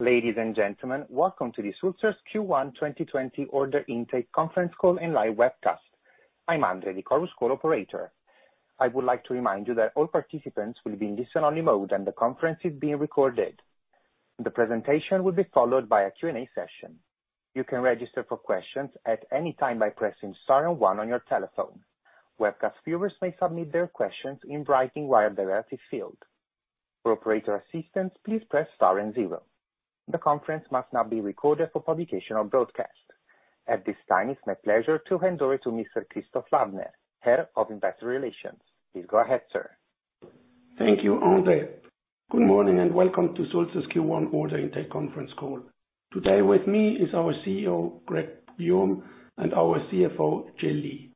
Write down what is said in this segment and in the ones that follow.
Ladies and gentlemen, welcome to the Sulzer's Q1 2020 Order Intake Conference Call and Live Webcast. I'm Andre, the conference call operator. I would like to remind you that all participants will be in listen-only mode and the conference is being recorded. The presentation will be followed by a Q&A session. You can register for questions at any time by pressing star and one on your telephone. Webcast viewers may submit their questions in writing via the relative field. For operator assistance, please press star and zero. The conference must not be recorded for publication or broadcast. At this time, it's my pleasure to hand over to Mr. Christoph Ladner, Head of Investor Relations. Please go ahead, sir. Thank you, Andre. Good morning, welcome to Sulzer's Q1 Order Intake Conference Call. Today with me is our CEO, Greg Poux-Guillaume, and our CFO, Jill Lee.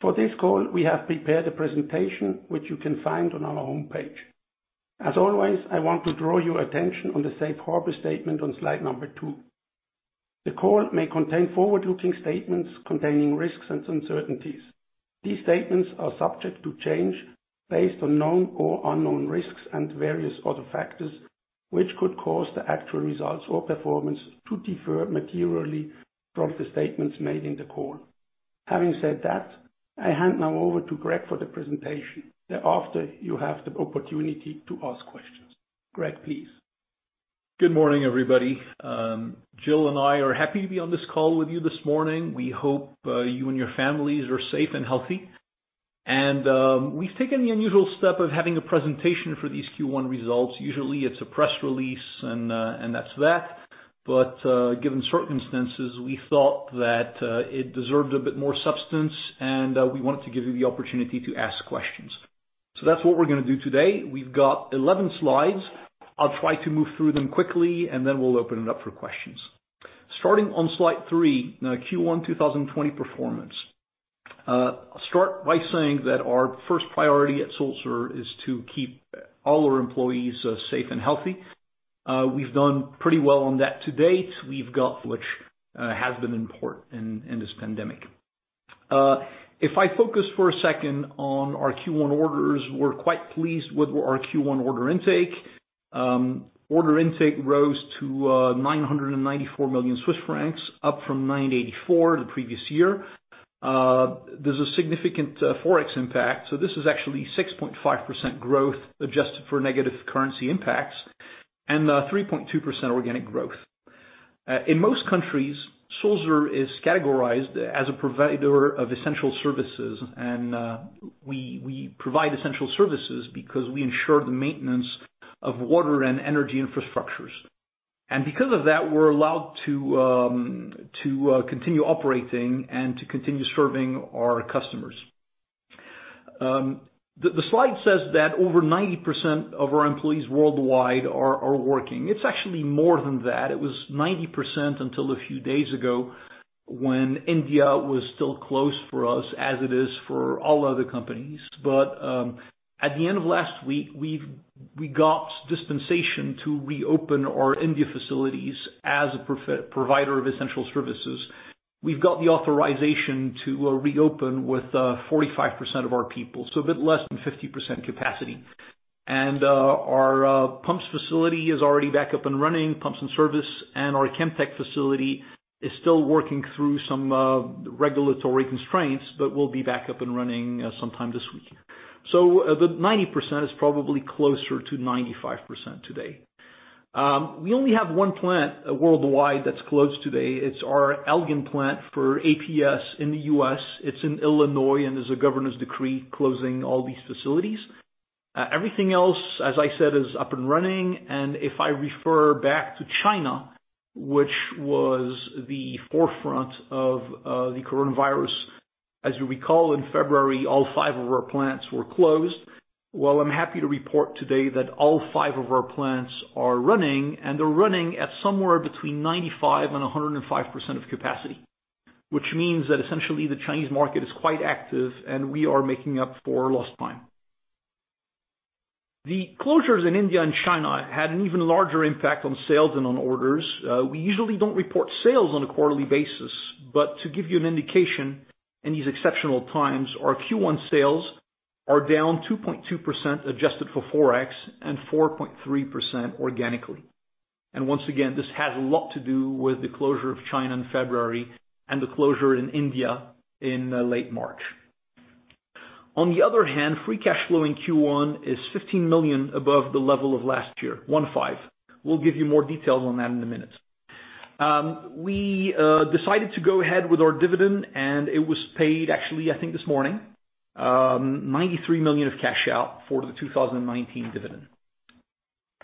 For this call, we have prepared a presentation, which you can find on our homepage. As always, I want to draw your attention on the safe harbor statement on slide number two. The call may contain forward-looking statements containing risks and uncertainties. These statements are subject to change based on known or unknown risks and various other factors, which could cause the actual results or performance to differ materially from the statements made in the call. Having said that, I hand now over to Greg for the presentation. Thereafter, you have the opportunity to ask questions. Greg, please. Good morning, everybody. Jill and I are happy to be on this call with you this morning. We hope you and your families are safe and healthy. We've taken the unusual step of having a presentation for these Q1 results. Usually, it's a press release and that's that. Given circumstances, we thought that it deserved a bit more substance, and we wanted to give you the opportunity to ask questions. That's what we're going to do today. We've got 11 slides. I'll try to move through them quickly, and then we'll open it up for questions. Starting on slide three, Q1 2020 performance. I'll start by saying that our first priority at Sulzer is to keep all our employees safe and healthy. We've done pretty well on that to date. We've got, which has been important in this pandemic. If I focus for a second on our Q1 orders, we're quite pleased with our Q1 order intake. Order intake rose to 994 million Swiss francs, up from 984 the previous year. There's a significant Forex impact, this is actually 6.5% growth adjusted for negative currency impacts and 3.2% organic growth. In most countries, Sulzer is categorized as a provider of essential services, we provide essential services because we ensure the maintenance of water and energy infrastructures. Because of that, we're allowed to continue operating and to continue serving our customers. The slide says that over 90% of our employees worldwide are working. It's actually more than that. It was 90% until a few days ago when India was still closed for us, as it is for all other companies. At the end of last week, we got dispensation to reopen our India facilities as a provider of essential services. We've got the authorization to reopen with 45% of our people, so a bit less than 50% capacity. Our pumps facility is already back up and running, pumps and service, and our Chemtech facility is still working through some regulatory constraints, but will be back up and running sometime this week. The 90% is probably closer to 95% today. We only have one plant worldwide that's closed today. It's our Elgin plant for APS in the U.S. It's in Illinois, and there's a governor's decree closing all these facilities. Everything else, as I said, is up and running, and if I refer back to China, which was the forefront of the coronavirus, as you recall, in February, all five of our plants were closed. I'm happy to report today that all five of our plants are running, and they're running at somewhere between 95% and 105% of capacity. Which means that essentially the Chinese market is quite active, and we are making up for lost time. The closures in India and China had an even larger impact on sales and on orders. We usually don't report sales on a quarterly basis, but to give you an indication in these exceptional times, our Q1 sales are down 2.2% adjusted for Forex and 4.3% organically. Once again, this has a lot to do with the closure of China in February and the closure in India in late March. On the other hand, free cash flow in Q1 is 15 million above the level of last year, one five. We'll give you more details on that in a minute. We decided to go ahead with our dividend, and it was paid actually, I think this morning. 93 million of cash out for the 2019 dividend.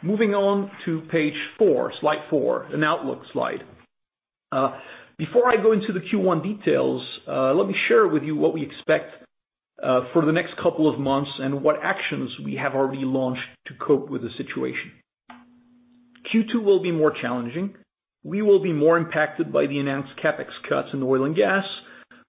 Moving on to page four, slide four, an outlook slide. Before I go into the Q1 details, let me share with you what we expect for the next couple of months and what actions we have already launched to cope with the situation. Q2 will be more challenging. We will be more impacted by the announced CapEx cuts in oil and gas,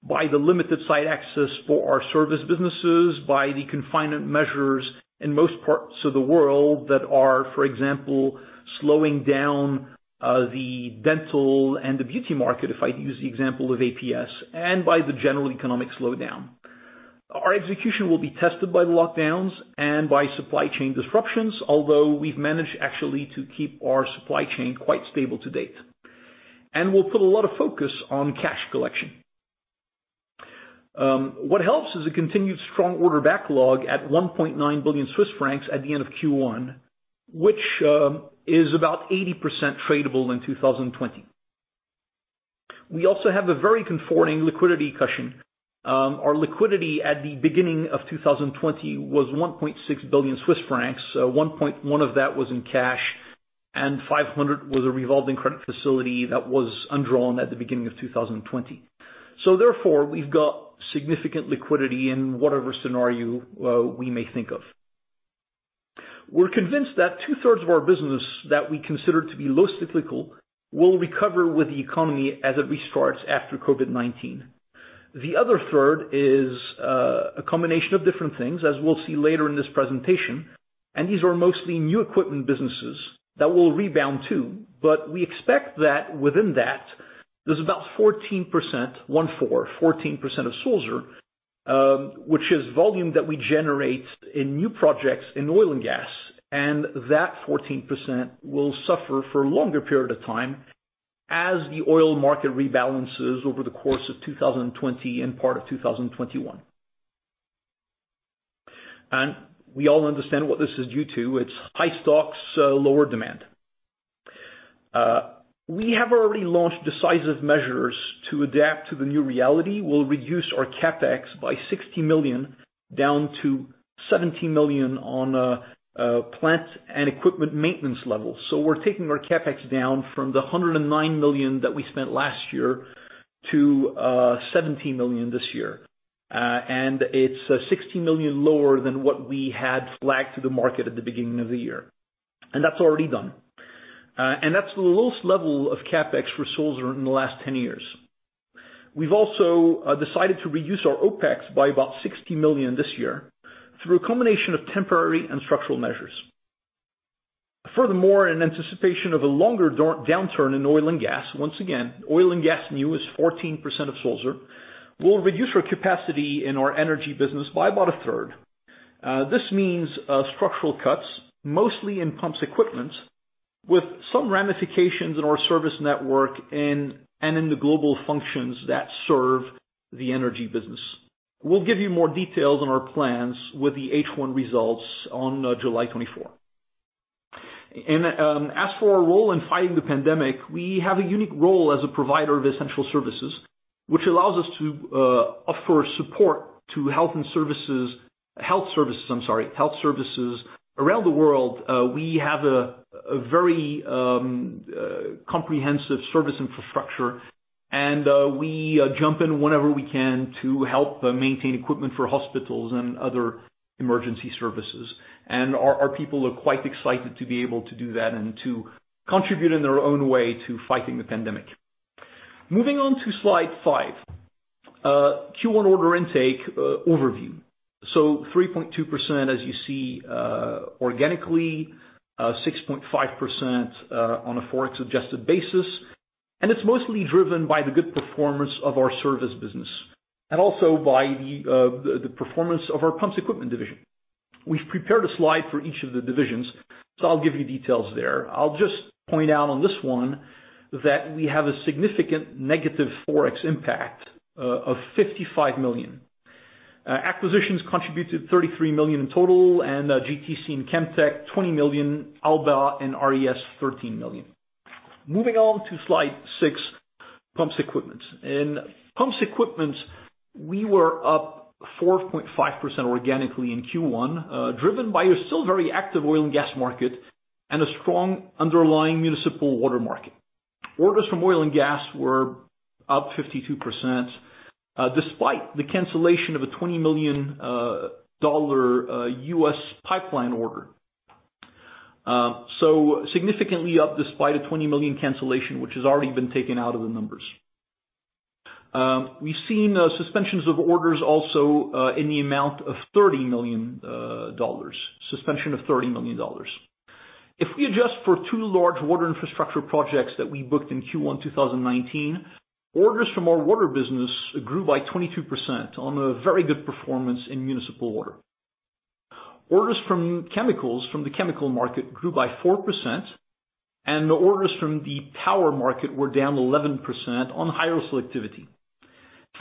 by the limited site access for our service businesses, by the confinement measures in most parts of the world that are, for example, slowing down the dental and the beauty market, if I use the example of APS, and by the general economic slowdown. Our execution will be tested by the lockdowns and by supply chain disruptions, although we've managed actually to keep our supply chain quite stable to date. We'll put a lot of focus on cash collection. What helps is a continued strong order backlog at 1.9 billion Swiss francs at the end of Q1, which is about 80% tradable in 2020. We also have a very comforting liquidity cushion. Our liquidity at the beginning of 2020 was 1.6 billion Swiss francs. 1.1 of that was in cash, and 500 was a revolving credit facility that was undrawn at the beginning of 2020. Therefore, we've got significant liquidity in whatever scenario we may think of. We're convinced that two-thirds of our business that we consider to be less cyclical will recover with the economy as it restarts after COVID-19. The other third is a combination of different things, as we'll see later in this presentation, and these are mostly new equipment businesses that will rebound too. We expect that within that, there's about 14%, one four, 14% of Sulzer, which is volume that we generate in new projects in oil and gas. That 14% will suffer for a longer period of time as the oil market rebalances over the course of 2020 and part of 2021. We all understand what this is due to. It's high stocks, lower demand. We have already launched decisive measures to adapt to the new reality. We'll reduce our CapEx by 60 million, down to 70 million on a plant and equipment maintenance level. We're taking our CapEx down from the 109 million that we spent last year to 70 million this year. It's 60 million lower than what we had flagged to the market at the beginning of the year. That's already done. That's the lowest level of CapEx for Sulzer in the last 10 years. We've also decided to reduce our OpEx by about 60 million this year through a combination of temporary and structural measures. Furthermore, in anticipation of a longer downturn in oil and gas, once again, oil and gas new is 14% of Sulzer. We'll reduce our capacity in our energy business by about a third. This means structural cuts, mostly in pumps equipment, with some ramifications in our service network and in the global functions that serve the energy business. We'll give you more details on our plans with the H1 results on July 24. As for our role in fighting the pandemic, we have a unique role as a provider of essential services, which allows us to offer support to health services around the world. We have a very comprehensive service infrastructure, and we jump in whenever we can to help maintain equipment for hospitals and other emergency services. Our people are quite excited to be able to do that and to contribute in their own way to fighting the pandemic. Moving on to slide five. Q1 order intake overview. 3.2% as you see organically, 6.5% on a Forex-adjusted basis, and it's mostly driven by the good performance of our service business and also by the performance of our Pumps Equipment division. We've prepared a slide for each of the divisions. I'll give you details there. I'll just point out on this one that we have a significant negative Forex impact of 55 million. Acquisitions contributed 33 million in total, and GTC and Chemtech, 20 million, Alba and RES, 13 million. Moving on to slide six, Pumps Equipment. In Pumps Equipment, we were up 4.5% organically in Q1, driven by a still very active oil and gas market and a strong underlying municipal water market. Orders from oil and gas were up 52%, despite the cancellation of a $20 million U.S. pipeline order. Significantly up despite a $20 million cancellation, which has already been taken out of the numbers. We've seen suspensions of orders also, in the amount of $30 million. Suspension of $30 million. If we adjust for two large water infrastructure projects that we booked in Q1 2019, orders from our water business grew by 22% on a very good performance in municipal water. Orders from the chemical market grew by 4%, and orders from the power market were down 11% on higher selectivity.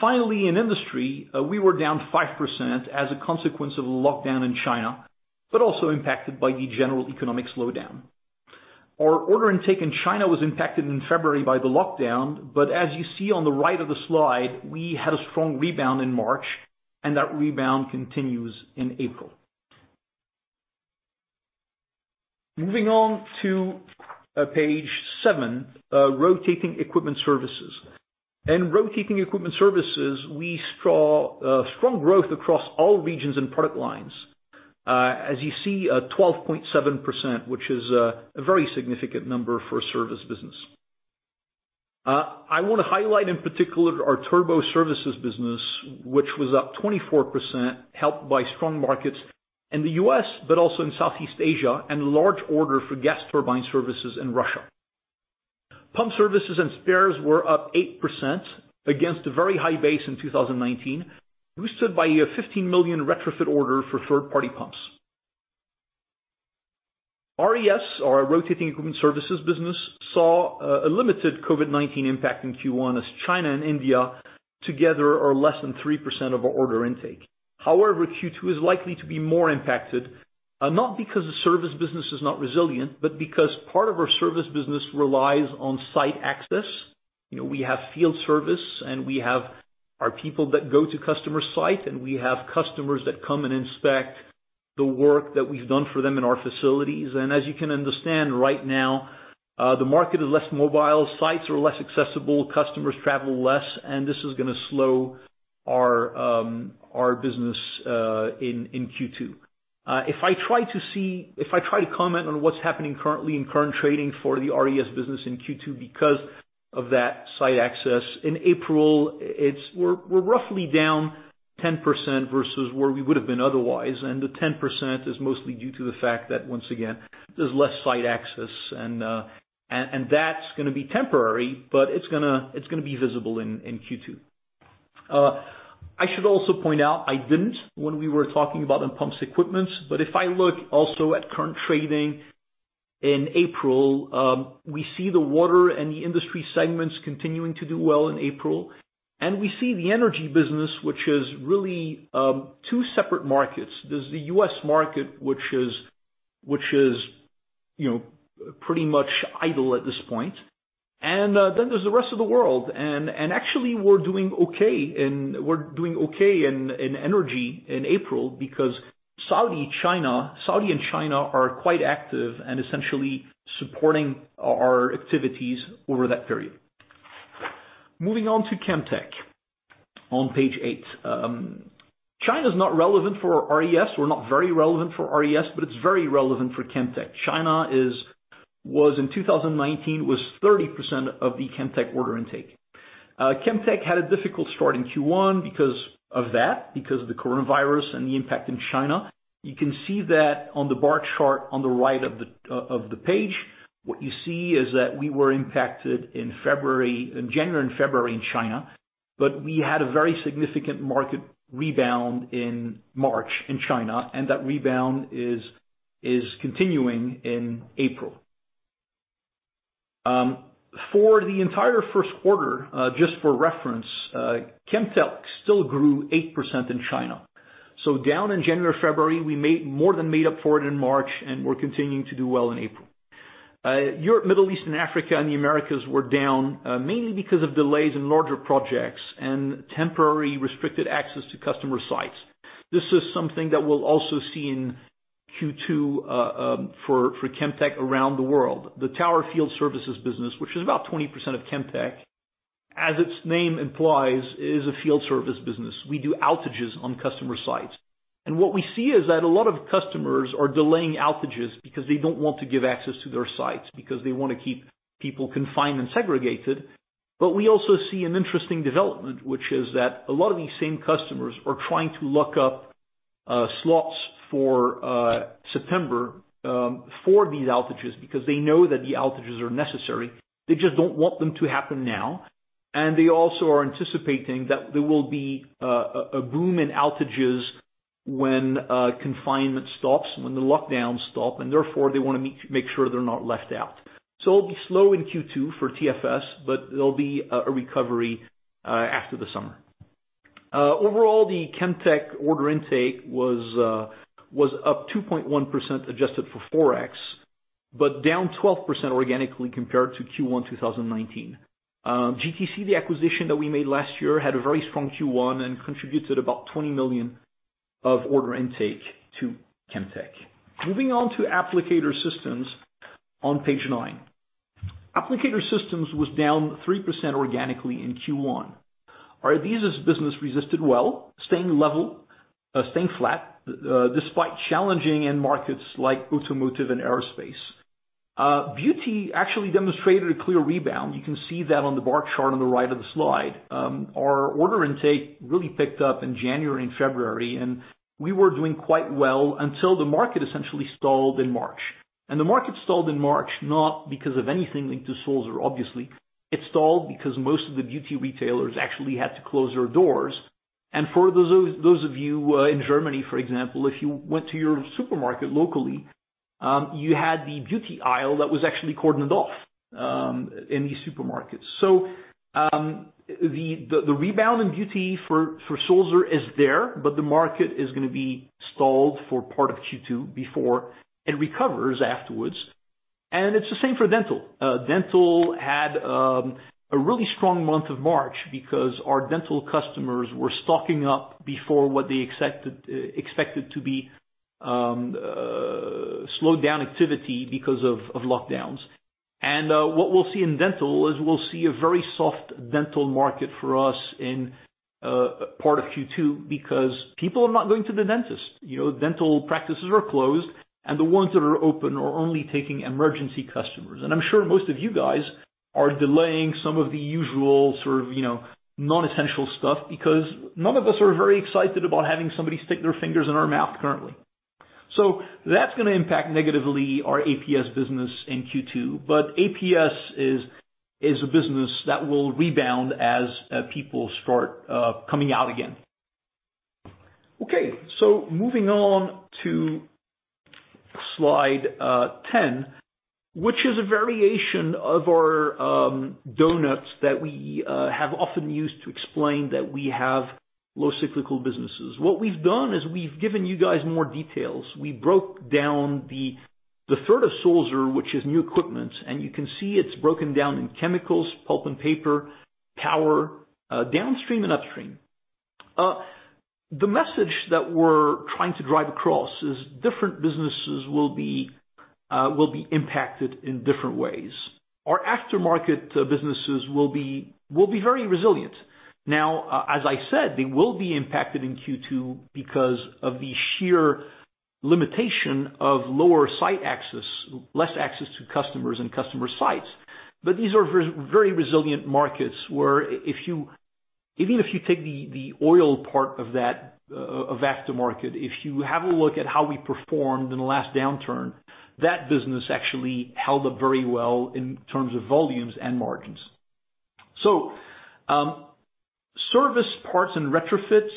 Finally, in industry, we were down 5% as a consequence of a lockdown in China, but also impacted by the general economic slowdown. Our order intake in China was impacted in February by the lockdown, but as you see on the right of the slide, we had a strong rebound in March, and that rebound continues in April. Moving on to page seven, Rotating Equipment Services. In Rotating Equipment Services, we saw strong growth across all regions and product lines. You see, 12.7%, which is a very significant number for a service business. I want to highlight, in particular, our Turbo Services business, which was up 24%, helped by strong markets in the U.S., but also in Southeast Asia and a large order for gas turbine services in Russia. Pump services and spares were up 8% against a very high base in 2019, boosted by a 15 million retrofit order for third-party pumps. RES, our Rotating Equipment Services business, saw a limited COVID-19 impact in Q1 as China and India together are less than 3% of our order intake. Q2 is likely to be more impacted, not because the service business is not resilient, but because part of our service business relies on site access. We have field service, and we have our people that go to customer site, and we have customers that come and inspect the work that we've done for them in our facilities. As you can understand right now, the market is less mobile, sites are less accessible, customers travel less, and this is going to slow our business in Q2. If I try to comment on what's happening currently in current trading for the RES business in Q2 because of that site access, in April, we're roughly down 10% versus where we would've been otherwise. The 10% is mostly due to the fact that once again, there's less site access. That's going to be temporary, but it's going to be visible in Q2. I should also point out I didn't when we were talking about in pumps equipment, but if I look also at current trading in April, we see the water and the industry segments continuing to do well in April, and we see the energy business, which is really two separate markets. There's the U.S. market, which is pretty much idle at this point. Then there's the rest of the world. Actually, we're doing okay in energy in April because Saudi and China are quite active and essentially supporting our activities over that period. Moving on to Chemtech on page eight. China's not relevant for RES or not very relevant for RES, but it's very relevant for Chemtech. China in 2019 was 30% of the Chemtech order intake. Chemtech had a difficult start in Q1 because of that, because of the COVID-19 and the impact in China. You can see that on the bar chart on the right of the page. What you see is that we were impacted in January and February in China. We had a very significant market rebound in March in China. That rebound is continuing in April. For the entire first quarter, just for reference, Chemtech still grew 8% in China. Down in January, February, we more than made up for it in March. We're continuing to do well in April. Europe, Middle East and Africa, and the Americas were down, mainly because of delays in larger projects and temporary restricted access to customer sites. This is something that we'll also see in Q2 for Chemtech around the world. The Tower Field Services business, which is about 20% of Chemtech, as its name implies, is a field service business. We do outages on customer sites. What we see is that a lot of customers are delaying outages because they don't want to give access to their sites because they want to keep people confined and segregated. We also see an interesting development, which is that a lot of these same customers are trying to lock up slots for September for these outages because they know that the outages are necessary. They just don't want them to happen now, and they also are anticipating that there will be a boom in outages when confinement stops, when the lockdowns stop, and therefore, they want to make sure they're not left out. It'll be slow in Q2 for TFS, but there'll be a recovery after the summer. Overall, the Chemtech order intake was up 2.1% adjusted for ForEx, but down 12% organically compared to Q1 2019. GTC, the acquisition that we made last year, had a very strong Q1 and contributed about 20 million of order intake to Chemtech. Moving on to Applicator Systems on page nine. Applicator Systems was down 3% organically in Q1. Our Adhesives business resisted well, staying level, staying flat, despite challenging end markets like automotive and aerospace. Beauty actually demonstrated a clear rebound. You can see that on the bar chart on the right of the slide. Our order intake really picked up in January and February. We were doing quite well until the market essentially stalled in March. The market stalled in March, not because of anything linked to Sulzer, obviously. It stalled because most of the beauty retailers actually had to close their doors. For those of you in Germany, for example, if you went to your supermarket locally, you had the beauty aisle that was actually cordoned off in these supermarkets. The rebound in beauty for Sulzer is there, but the market is going to be stalled for part of Q2 before it recovers afterwards, and it's the same for dental. Dental had a really strong month of March because our dental customers were stocking up before what they expected to be slowed down activity because of lockdowns. What we'll see in dental is we'll see a very soft dental market for us in part of Q2 because people are not going to the dentist. Dental practices are closed, and the ones that are open are only taking emergency customers. I'm sure most of you guys are delaying some of the usual sort of non-essential stuff because none of us are very excited about having somebody stick their fingers in our mouth currently. That's going to impact negatively our APS business in Q2. APS is a business that will rebound as people start coming out again. Okay. Moving on to slide 10, which is a variation of our donuts that we have often used to explain that we have low cyclical businesses. We've done is we've given you guys more details. We broke down the third of Sulzer, which is new equipment, and you can see it's broken down in chemicals, pulp and paper, power, downstream and upstream. The message that we're trying to drive across is different businesses will be impacted in different ways. Our aftermarket businesses will be very resilient. As I said, they will be impacted in Q2 because of the sheer limitation of lower site access, less access to customers and customer sites. These are very resilient markets, where even if you take the oil part of that aftermarket, if you have a look at how we performed in the last downturn, that business actually held up very well in terms of volumes and margins. Service parts and retrofits,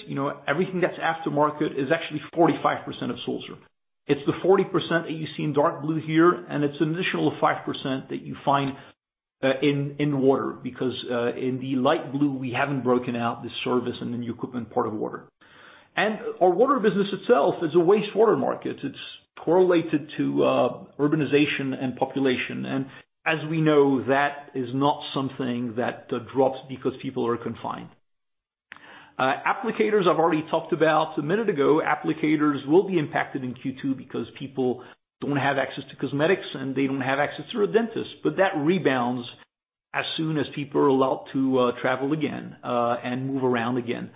everything that's aftermarket, is actually 45% of Sulzer. It's the 40% that you see in dark blue here, and it's an additional 5% that you find in water, because in the light blue, we haven't broken out the service and the new equipment part of water. Our water business itself is a wastewater market. It's correlated to urbanization and population. As we know, that is not something that drops because people are confined. Applicators, I've already talked about a minute ago. Applicators will be impacted in Q2 because people don't have access to cosmetics and they don't have access to a dentist. That rebounds as soon as people are allowed to travel again and move around again.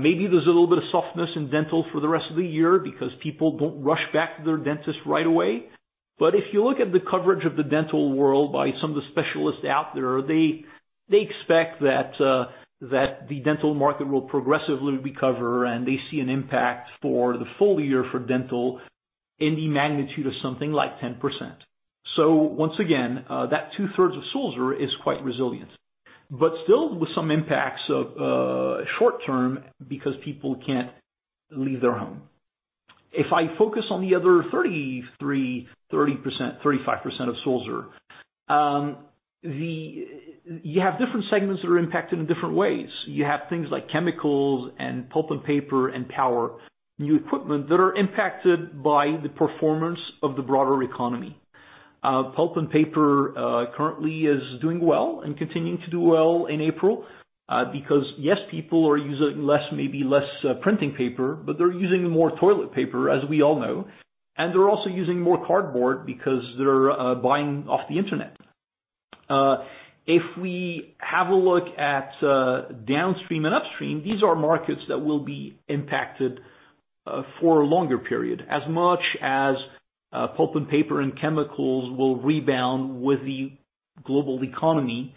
Maybe there's a little bit of softness in dental for the rest of the year because people don't rush back to their dentist right away. If you look at the coverage of the dental world by some of the specialists out there, they expect that the dental market will progressively recover, and they see an impact for the full year for dental in the magnitude of something like 10%. Once again, that two-thirds of Sulzer is quite resilient. Still with some impacts of short term because people can't leave their home. If I focus on the other 33%, 35% of Sulzer, you have different segments that are impacted in different ways. You have things like chemicals and pulp and paper and power, new equipment that are impacted by the performance of the broader economy. Pulp and paper currently is doing well and continuing to do well in April, because yes, people are using maybe less printing paper, but they're using more toilet paper, as we all know. They're also using more cardboard because they're buying off the Internet. If we have a look at downstream and upstream, these are markets that will be impacted for a longer period. As much as pulp and paper and chemicals will rebound with the global economy,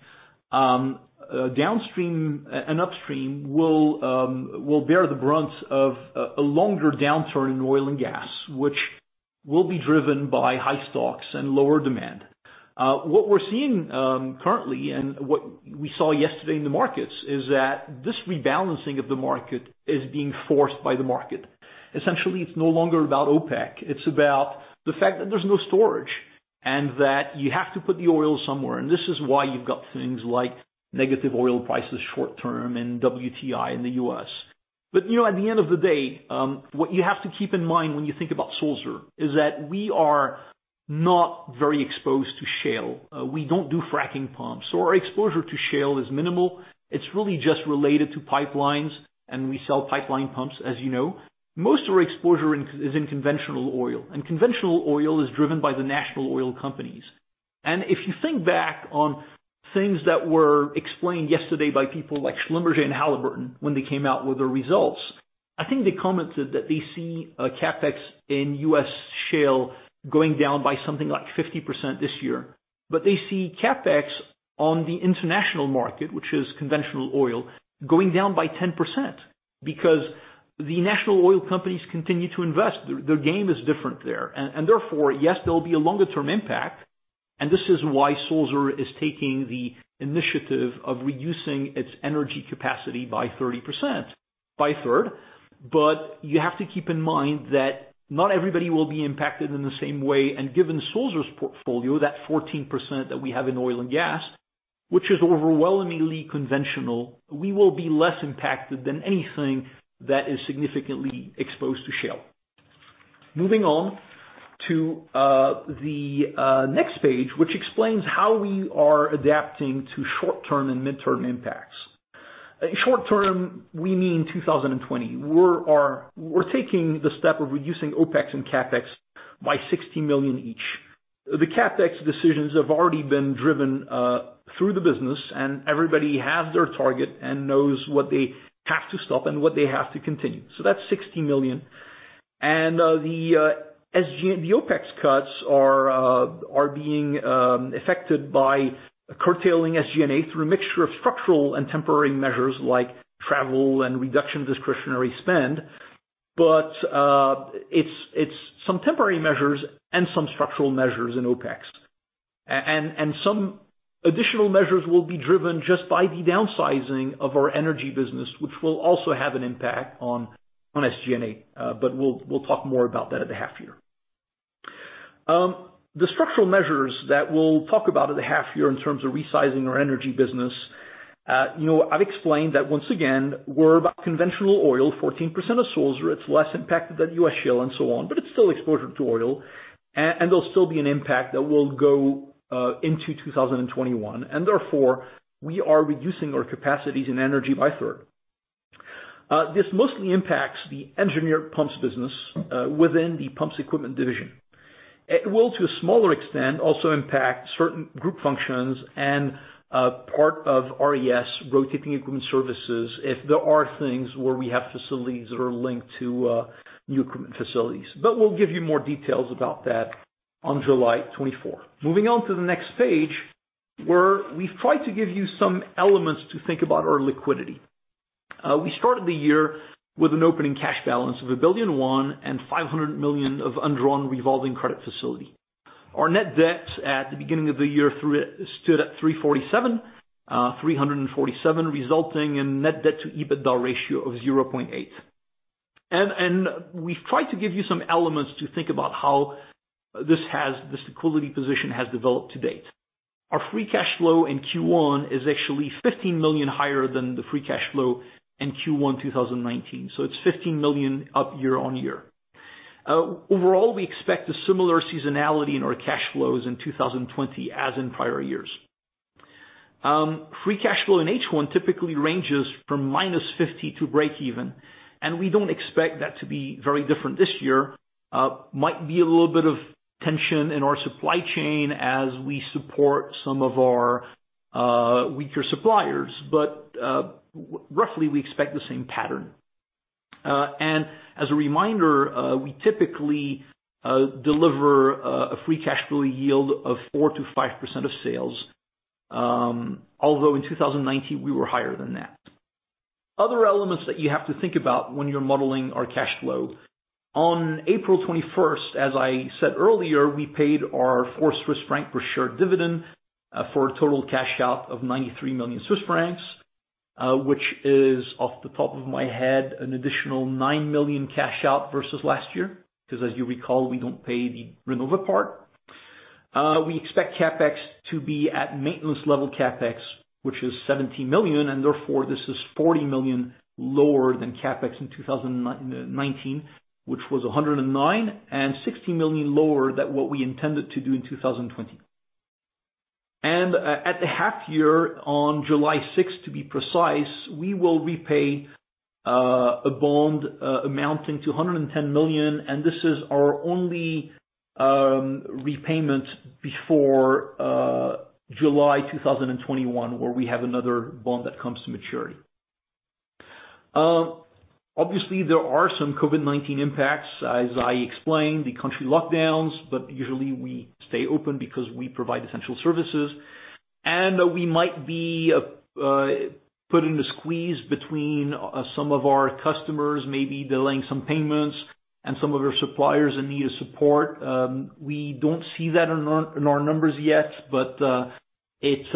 downstream and upstream will bear the brunt of a longer downturn in oil and gas, which will be driven by high stocks and lower demand. What we're seeing currently and what we saw yesterday in the markets is that this rebalancing of the market is being forced by the market. Essentially, it's no longer about OPEC. It's about the fact that there's no storage and that you have to put the oil somewhere. This is why you've got things like negative oil prices short term and WTI in the U.S. At the end of the day, what you have to keep in mind when you think about Sulzer is that we are not very exposed to shale. We don't do fracking pumps. Our exposure to shale is minimal. It's really just related to pipelines, and we sell pipeline pumps, as you know. Most of our exposure is in conventional oil, and conventional oil is driven by the national oil companies. If you think back on things that were explained yesterday by people like Schlumberger and Halliburton when they came out with their results, I think they commented that they see CapEx in U.S. shale going down by something like 50% this year. They see CapEx on the international market, which is conventional oil, going down by 10%, because the national oil companies continue to invest. Their game is different there. Therefore, yes, there will be a longer term impact, and this is why Sulzer is taking the initiative of reducing its energy capacity by 30%, by a third. You have to keep in mind that not everybody will be impacted in the same way. Given Sulzer's portfolio, that 14% that we have in oil and gas, which is overwhelmingly conventional, we will be less impacted than anything that is significantly exposed to shale. Moving on to the next page, which explains how we are adapting to short-term and midterm impacts. Short term, we mean 2020. We're taking the step of reducing OpEx and CapEx by 60 million each. The CapEx decisions have already been driven through the business, and everybody has their target and knows what they have to stop and what they have to continue. That's 60 million. The OpEx cuts are being affected by curtailing SG&A through a mixture of structural and temporary measures like travel and reduction of discretionary spend. It's some temporary measures and some structural measures in OpEx. Some additional measures will be driven just by the downsizing of our energy business, which will also have an impact on SG&A. We'll talk more about that at the half year. The structural measures that we'll talk about at the half year in terms of resizing our energy business. I've explained that once again, we're about conventional oil, 14% of Sulzer. It's less impacted than U.S. shale and so on, but it's still exposure to oil. There'll still be an impact that will go into 2021. Therefore, we are reducing our capacities in energy by a third. This mostly impacts the engineered pumps business within the pumps equipment division. It will, to a smaller extent, also impact certain group functions and part of RES, Rotating Equipment Services, if there are things where we have facilities that are linked to new equipment facilities. We'll give you more details about that on July 24th. Moving on to the next page, where we've tried to give you some elements to think about our liquidity. We started the year with an opening cash balance of CHF 1.1 billion and 500 million of undrawn revolving credit facility. Our net debt at the beginning of the year stood at 347 resulting in net debt to EBITDA ratio of 0.8. We've tried to give you some elements to think about how this liquidity position has developed to date. Our free cash flow in Q1 is actually 15 million higher than the free cash flow in Q1 2019. It's 15 million up year-on-year. Overall, we expect a similar seasonality in our cash flows in 2020 as in prior years. Free cash flow in H1 typically ranges from -50 to breakeven, and we don't expect that to be very different this year. There might be a little bit of tension in our supply chain as we support some of our weaker suppliers. Roughly we expect the same pattern. As a reminder, we typically deliver a free cash flow yield of 4%-5% of sales, although in 2019 we were higher than that. Other elements that you have to think about when you're modeling our cash flow. On April 21st, as I said earlier, we paid our 4 Swiss franc per share dividend for a total cash out of 93 million Swiss francs, which is off the top of my head, an additional 9 million cash out versus last year. As you recall, we don't pay the Renova part. We expect CapEx to be at maintenance level CapEx, which is 70 million, and therefore this is 40 million lower than CapEx in 2019, which was 109 and 60 million lower than what we intended to do in 2020. At the half year on July 6th, to be precise, we will repay a bond amounting to 110 million, and this is our only repayment before July 2021 where we have another bond that comes to maturity. Obviously, there are some COVID-19 impacts. As I explained, the country lockdowns, but usually we stay open because we provide essential services and we might be put in a squeeze between some of our customers, maybe delaying some payments and some of our suppliers in need of support. We don't see that in our numbers yet, but it's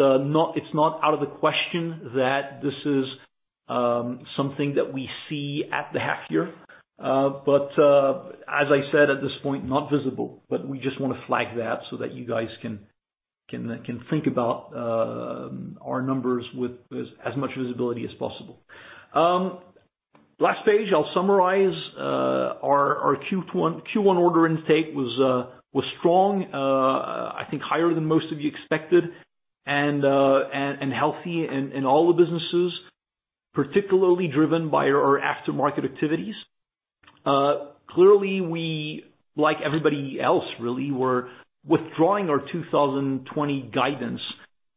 not out of the question that this is something that we see at the half year. As I said, at this point, not visible, but we just want to flag that so that you guys can think about our numbers with as much visibility as possible. Last page, I'll summarize. Our Q1 order intake was strong, I think higher than most of you expected and healthy in all the businesses, particularly driven by our aftermarket activities. Clearly we, like everybody else really, we're withdrawing our 2020 guidance.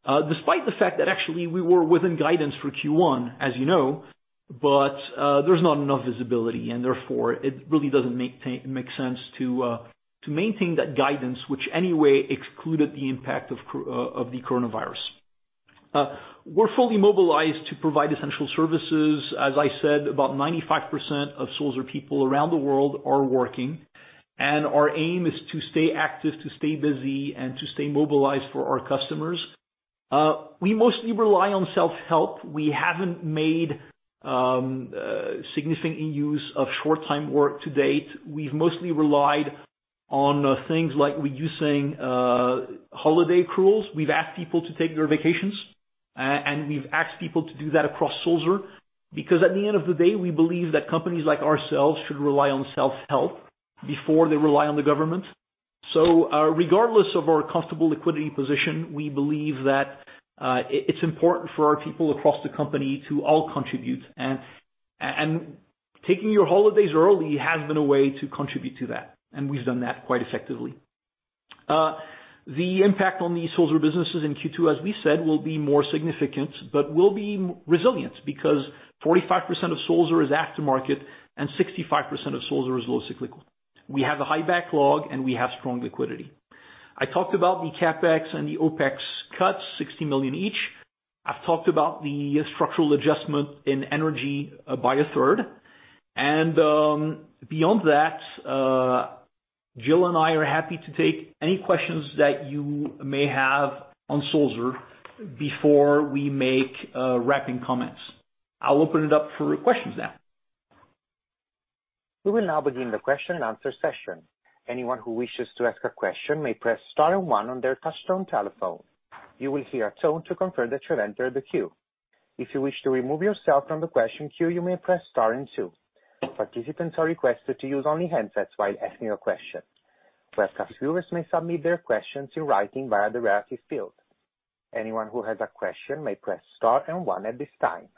Despite the fact that actually we were within guidance for Q1, as you know. There's not enough visibility and therefore it really doesn't make sense to maintain that guidance, which anyway excluded the impact of the coronavirus. We're fully mobilized to provide essential services. As I said, about 95% of Sulzer people around the world are working, and our aim is to stay active, to stay busy, and to stay mobilized for our customers. We mostly rely on self-help. We haven't made significant use of short time work to date. We've mostly relied on things like reducing holiday accruals. We've asked people to take their vacations, and we've asked people to do that across Sulzer, because at the end of the day, we believe that companies like ourselves should rely on self-help before they rely on the government. Regardless of our comfortable liquidity position, we believe that it's important for our people across the company to all contribute. Taking your holidays early has been a way to contribute to that, and we've done that quite effectively. The impact on the Sulzer businesses in Q2, as we said, will be more significant, but we'll be resilient because 45% of Sulzer is aftermarket and 65% of Sulzer is low cyclical. We have a high backlog and we have strong liquidity. I talked about the CapEx and the OpEx cuts, 60 million each. I've talked about the structural adjustment in energy by a third. Beyond that, Jill and I are happy to take any questions that you may have on Sulzer before we make wrapping comments. I'll open it up for questions then. We will now begin the question and answer session. Anyone who wishes to ask a question may press star and one on their touchtone telephone. You will hear a tone to confirm that you have entered the queue. If you wish to remove yourself from the question queue, you may press star and two. Participants are requested to use only handsets while asking a question. Webcast viewers may submit their questions in writing via the relative field. Anyone who has a question may press star and one at this time.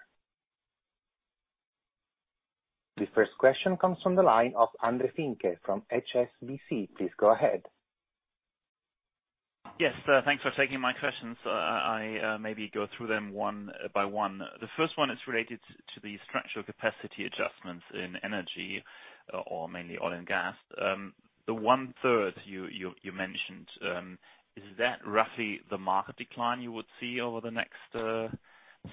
The first question comes from the line of André Finke from HSBC. Please go ahead. Yes. Thanks for taking my questions. I maybe go through them one by one. The first one is related to the structural capacity adjustments in energy, or mainly oil and gas. The one-third you mentioned, is that roughly the market decline you would see over the next,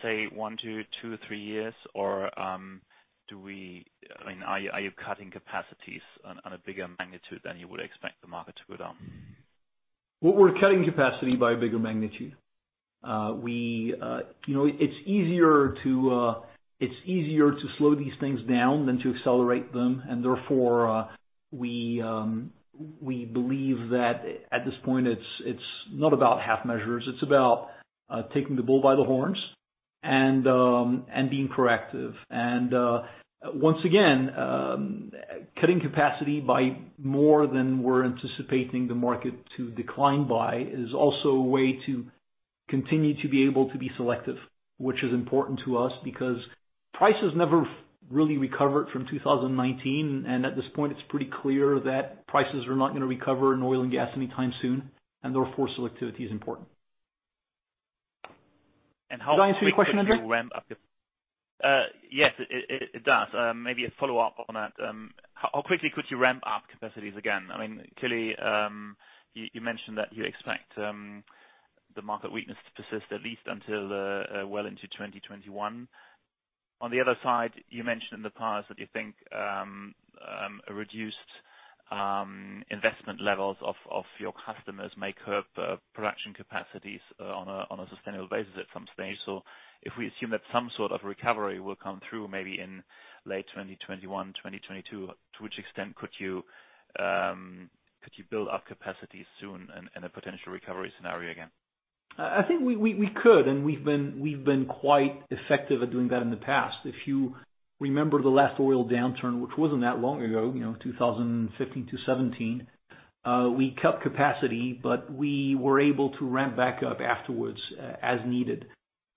say, one to two or three years, or are you cutting capacities on a bigger magnitude than you would expect the market to go down? Well, we're cutting capacity by a bigger magnitude. It's easier to slow these things down than to accelerate them, therefore we believe that at this point, it's not about half measures. It's about taking the bull by the horns and being proactive. Once again, cutting capacity by more than we're anticipating the market to decline by is also a way to continue to be able to be selective, which is important to us because prices never really recovered from 2019, at this point, it's pretty clear that prices are not going to recover in oil and gas anytime soon. Therefore selectivity is important. Did I answer your question, Andre? Yes, it does. Maybe a follow-up on that. How quickly could you ramp up capacities again? Clearly, you mentioned that you expect the market weakness to persist at least until well into 2021. On the other side, you mentioned in the past that you think reduced investment levels of your customers may curb production capacities on a sustainable basis at some stage. If we assume that some sort of recovery will come through, maybe in late 2021, 2022, to which extent could you build up capacity soon in a potential recovery scenario again? I think we could. We've been quite effective at doing that in the past. If you remember the last oil downturn, which wasn't that long ago, 2015-2017, we cut capacity, but we were able to ramp back up afterwards as needed.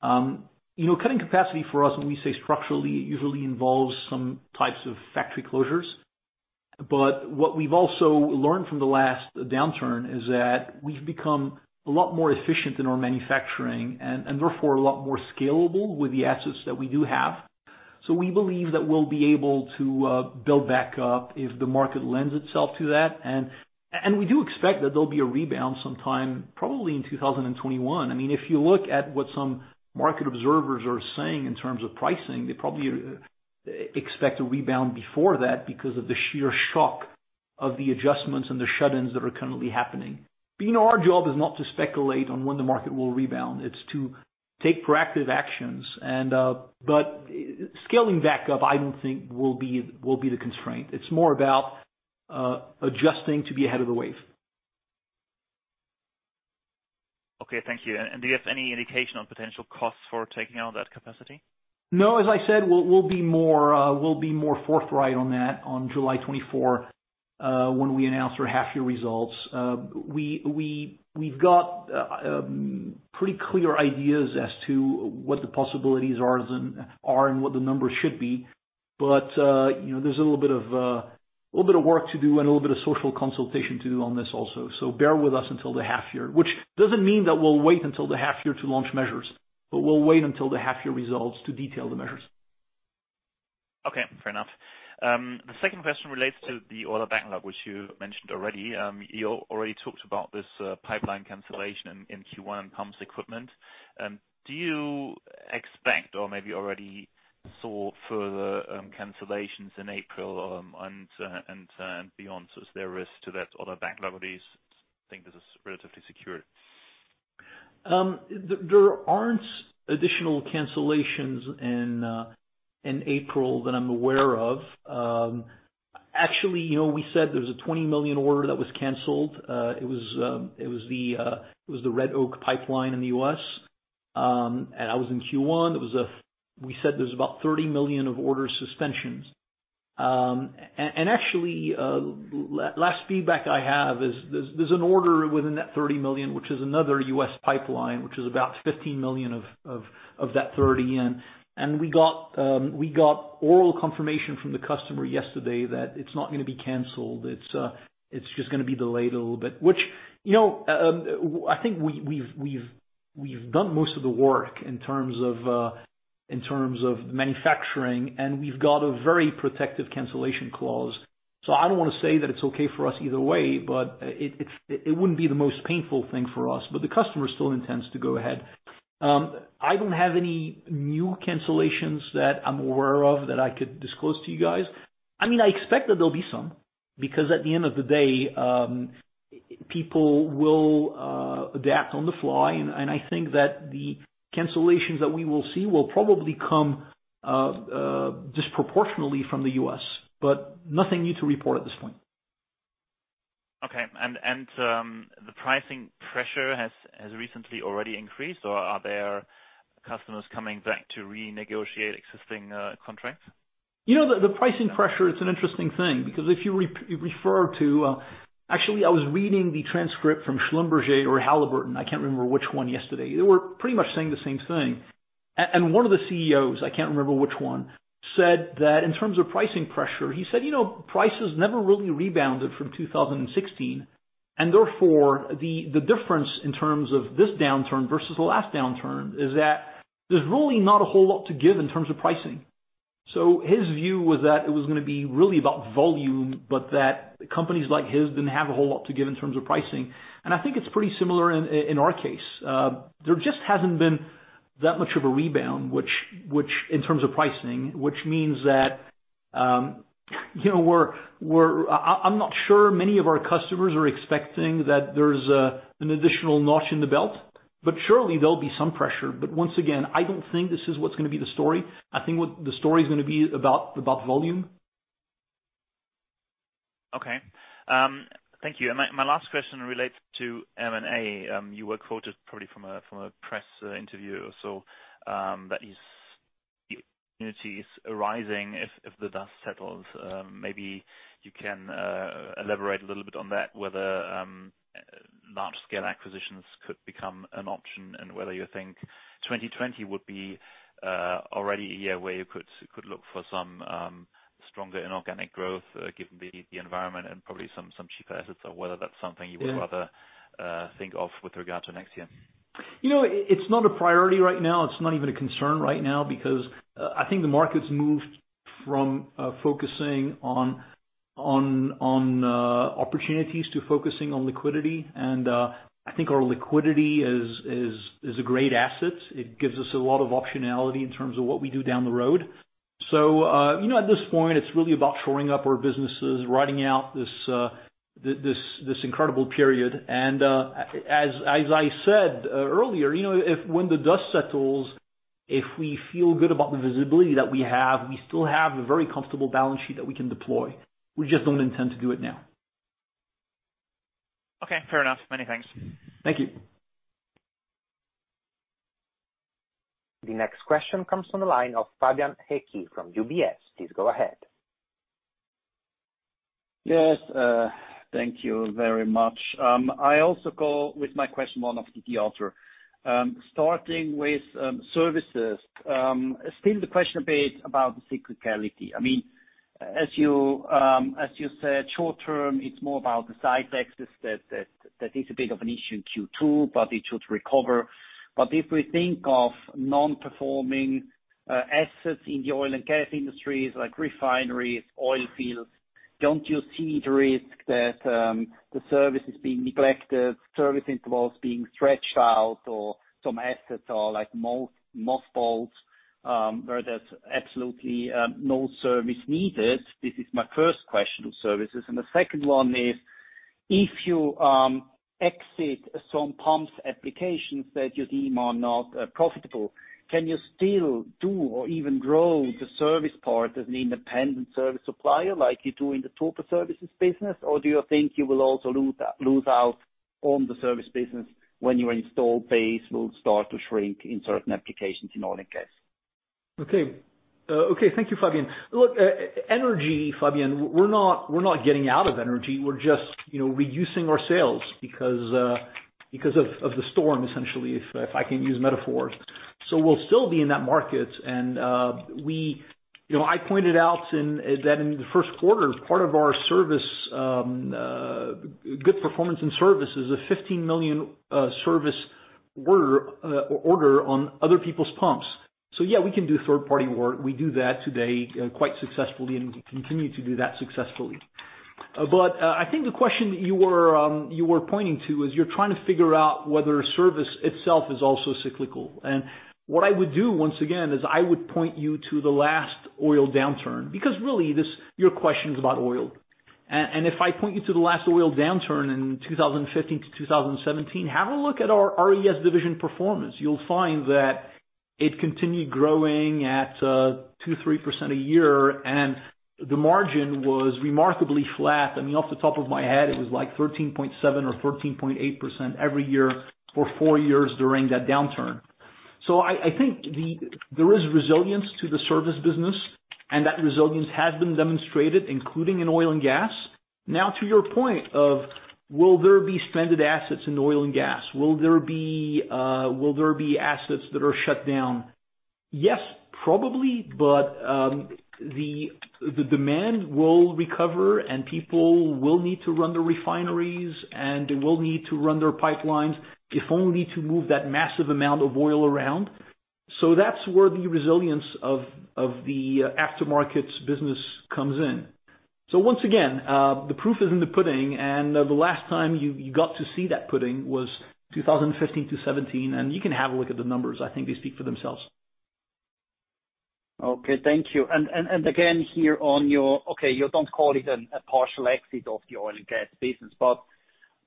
Cutting capacity for us when we say structurally, it usually involves some types of factory closures. What we've also learned from the last downturn is that we've become a lot more efficient in our manufacturing and therefore a lot more scalable with the assets that we do have. We believe that we'll be able to build back up if the market lends itself to that. We do expect that there'll be a rebound sometime, probably in 2021. If you look at what some market observers are saying in terms of pricing, they probably expect a rebound before that because of the sheer shock of the adjustments and the shut-ins that are currently happening. Our job is not to speculate on when the market will rebound. It's to take proactive actions, but scaling back up, I don't think will be the constraint. It's more about adjusting to be ahead of the wave. Okay. Thank you. Do you have any indication on potential costs for taking out that capacity? No. As I said, we'll be more forthright on that on July 24, when we announce our half year results. We've got pretty clear ideas as to what the possibilities are and what the numbers should be. There's a little bit of work to do and a little bit of social consultation to do on this also. Bear with us until the half year, which doesn't mean that we'll wait until the half year to launch measures, but we'll wait until the half year results to detail the measures. Okay. Fair enough. The second question relates to the order backlog, which you mentioned already. You already talked about this pipeline cancellation in Q1 pumps equipment. Do you expect or maybe already saw further cancellations in April and beyond as there is to that order backlog? Do you think this is relatively secure? There aren't additional cancellations in April that I'm aware of. We said there was a $20 million order that was canceled. It was the Red Oak Pipeline in the U.S. That was in Q1. We said there was about $30 million of order suspensions. Last feedback I have is there's an order within that $30 million, which is another U.S. pipeline, which is about $15 million of that $30 million. We got oral confirmation from the customer yesterday that it's not going to be canceled. It's just going to be delayed a little bit. Which I think we've done most of the work in terms of manufacturing, and we've got a very protective cancellation clause. I don't want to say that it's okay for us either way, but it wouldn't be the most painful thing for us, but the customer still intends to go ahead. I don't have any new cancellations that I'm aware of that I could disclose to you guys. I expect that there'll be some, because at the end of the day, people will adapt on the fly, and I think that the cancellations that we will see will probably come disproportionately from the U.S. Nothing new to report at this point. Okay. The pricing pressure has recently already increased, or are there customers coming back to renegotiate existing contracts? The pricing pressure, it's an interesting thing. Actually, I was reading the transcript from Schlumberger or Halliburton, I can't remember which one, yesterday. They were pretty much saying the same thing. One of the CEOs, I can't remember which one, said that in terms of pricing pressure, he said, "Prices never really rebounded from 2016." Therefore, the difference in terms of this downturn versus the last downturn is that there's really not a whole lot to give in terms of pricing. His view was that it was going to be really about volume, but that companies like his didn't have a whole lot to give in terms of pricing. I think it's pretty similar in our case. There just hasn't been that much of a rebound, in terms of pricing. Which means that I'm not sure many of our customers are expecting that there's an additional notch in the belt, but surely there'll be some pressure. Once again, I don't think this is what's going to be the story. I think what the story is going to be about the above volume. Okay. Thank you. My last question relates to M&A. You were quoted probably from a press interview or so, that is, opportunities arising if the dust settles. Maybe you can elaborate a little bit on that, whether large-scale acquisitions could become an option and whether you think 2020 would be already a year where you could look for some stronger inorganic growth, given the environment and probably some cheaper assets, or whether that's something you would rather think of with regard to next year. It's not a priority right now. It's not even a concern right now because I think the market's moved from focusing on opportunities to focusing on liquidity. I think our liquidity is a great asset. It gives us a lot of optionality in terms of what we do down the road. At this point, it's really about shoring up our businesses, riding out this incredible period. As I said earlier, when the dust settles, if we feel good about the visibility that we have, we still have a very comfortable balance sheet that we can deploy. We just don't intend to do it now. Okay, fair enough. Many thanks. Thank you. The next question comes from the line of Fabian Häcki from UBS. Please go ahead. Yes, thank you very much. I also go with my question one of the author. Starting with services. Still the question a bit about the cyclicality. As you said, short term, it's more about the side effects that is a bit of an issue in Q2, but it should recover. If we think of non-performing assets in the oil and gas industries like refineries, oil fields, don't you see the risk that the service is being neglected, service intervals being stretched out or some assets are like mothballs where there's absolutely no service needed? This is my first question of services. The second one is if you exit some pumps applications that you deem are not profitable, can you still do or even grow the service part as an independent service supplier like you do in the Turbo Services business? Do you think you will also lose out on the service business when your install base will start to shrink in certain applications in oil and gas? Thank you, Fabian. Energy, Fabian, we're not getting out of energy. We're just reducing our sales because of the storm, essentially, if I can use metaphors. We'll still be in that market. I pointed out that in the first quarter, as part of our service, good performance in service is a 15 million service order on other people's pumps. Yeah, we can do third-party work. We do that today quite successfully and continue to do that successfully. I think the question you were pointing to is you're trying to figure out whether service itself is also cyclical. What I would do once again is I would point you to the last oil downturn, because really your question is about oil. If I point you to the last oil downturn in 2015-2017, have a look at our RES division performance. You'll find that it continued growing at 2%, 3% a year, and the margin was remarkably flat. Off the top of my head, it was like 13.7% or 14.8% every year for four years during that downturn. I think there is resilience to the service business, and that resilience has been demonstrated, including in oil and gas. To your point of will there be stranded assets in oil and gas? Will there be assets that are shut down? Yes, probably, but the demand will recover, and people will need to run the refineries, and they will need to run their pipelines, if only to move that massive amount of oil around. That's where the resilience of the aftermarket business comes in. Once again, the proof is in the pudding. The last time you got to see that pudding was 2015-2017. You can have a look at the numbers. I think they speak for themselves. Okay, thank you. Okay, you don't call it a partial exit of the oil and gas business.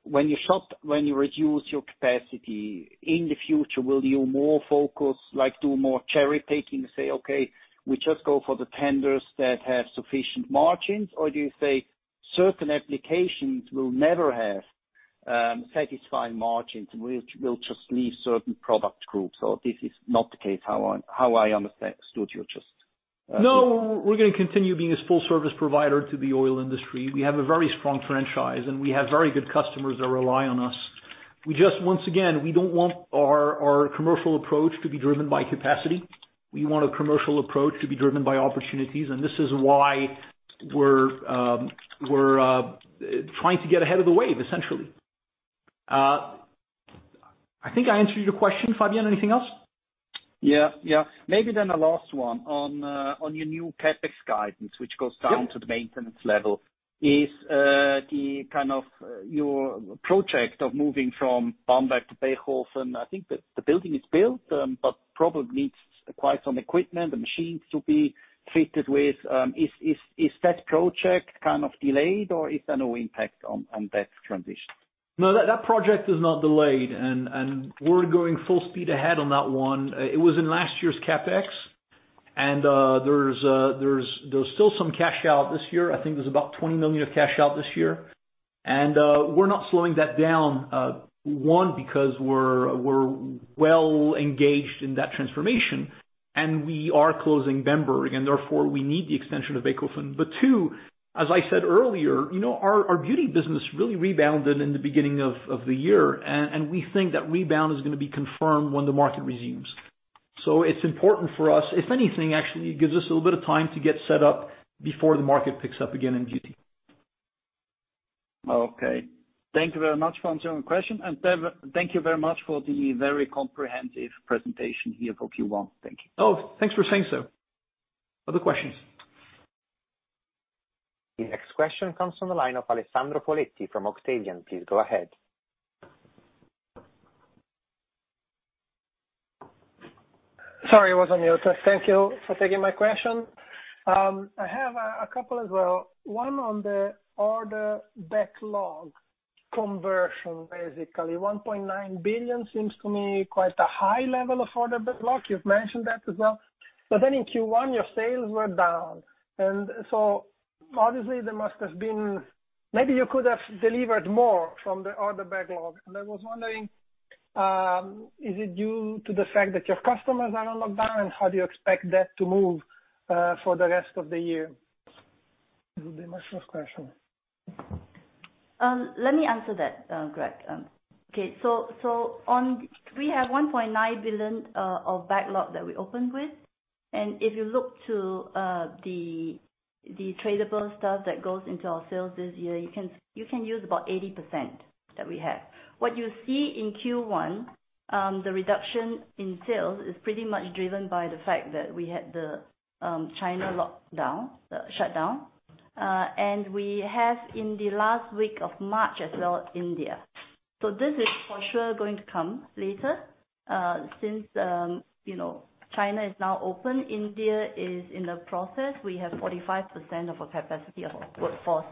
When you reduce your capacity in the future, will you more focus, do more cherry-picking and say, "Okay, we just go for the tenders that have sufficient margins," or do you say, "Certain applications will never have satisfying margins, and we'll just leave certain product groups?" This is not the case, how I understood you just? No, we're going to continue being a full-service provider to the oil industry. We have a very strong franchise, and we have very good customers that rely on us. Once again, we don't want our commercial approach to be driven by capacity. We want a commercial approach to be driven by opportunities, and this is why we're trying to get ahead of the wave, essentially. I think I answered your question, Fabian. Anything else? Yeah. Maybe then the last one on your new CapEx guidance, which goes down- Yep -to the maintenance level. Is your project of moving from Bamberg to Bechhofen, I think that the building is built, but probably needs quite some equipment and machines to be fitted with, kind of delayed, or is there no impact on that transition? That project is not delayed, and we're going full speed ahead on that one. It was in last year's CapEx, and there's still some cash out this year. I think there's about 20 million of cash out this year. We're not slowing that down, one, because we're well-engaged in that transformation, and we are closing Bamberg, and therefore, we need the extension of Bechhofen. Two, as I said earlier, our beauty business really rebounded in the beginning of the year, and we think that rebound is going to be confirmed when the market resumes. It's important for us. If anything, actually, it gives us a little bit of time to get set up before the market picks up again in beauty. Okay. Thank you very much for answering my question. Greg, thank you very much for the very comprehensive presentation here for Q1. Thank you. Oh, thanks for saying so. Other questions? The next question comes from the line of Alessandro Poletti from Octavian. Please go ahead. Sorry, I was on mute. Thank you for taking my question. I have a couple as well. One on the order backlog conversion, basically. 1.9 billion seems to me quite a high level of order backlog. You've mentioned that as well. In Q1, your sales were down. Obviously, maybe you could have delivered more from the order backlog. I was wondering, is it due to the fact that your customers are on lockdown? How do you expect that to move for the rest of the year? It will be my first question. Let me answer that, Greg. Okay. We have 1.9 billion of backlog that we opened with. If you look to the tradable stuff that goes into our sales this year, you can use about 80% that we have. What you see in Q1, the reduction in sales is pretty much driven by the fact that we had the China lockdown, the shutdown. We have in the last week of March as well, India. This is for sure going to come later since China is now open. India is in the process. We have 45% of our capacity of our workforce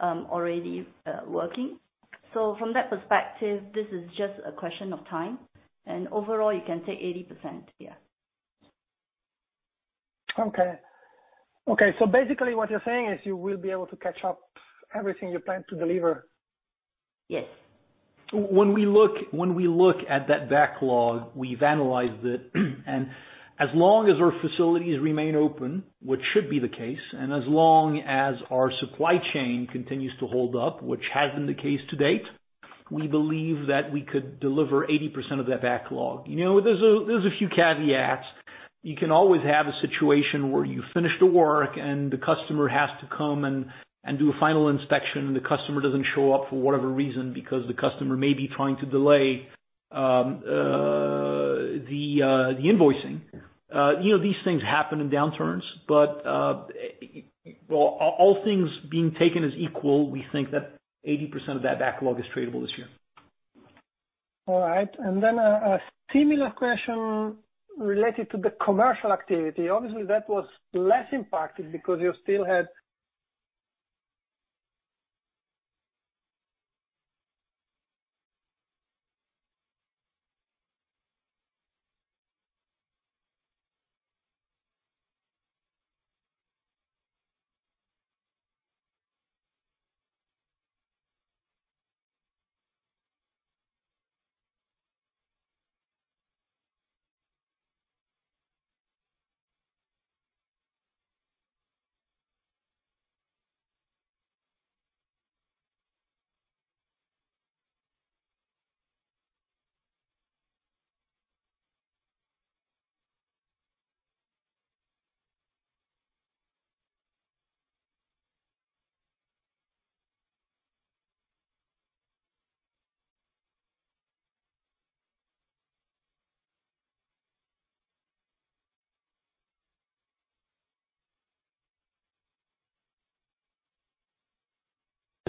already working. From that perspective, this is just a question of time. Overall, you can take 80%, yeah. Basically what you're saying is you will be able to catch up everything you plan to deliver? Yes. When we look at that backlog, we've analyzed it, and as long as our facilities remain open, which should be the case, and as long as our supply chain continues to hold up, which has been the case to date, we believe that we could deliver 80% of that backlog. There's a few caveats. You can always have a situation where you finish the work and the customer has to come and do a final inspection, and the customer doesn't show up for whatever reason because the customer may be trying to delay the invoicing. These things happen in downturns. All things being taken as equal, we think that 80% of that backlog is tradable this year. All right. Then a similar question related to the commercial activity. Obviously, that was less impacted because you still had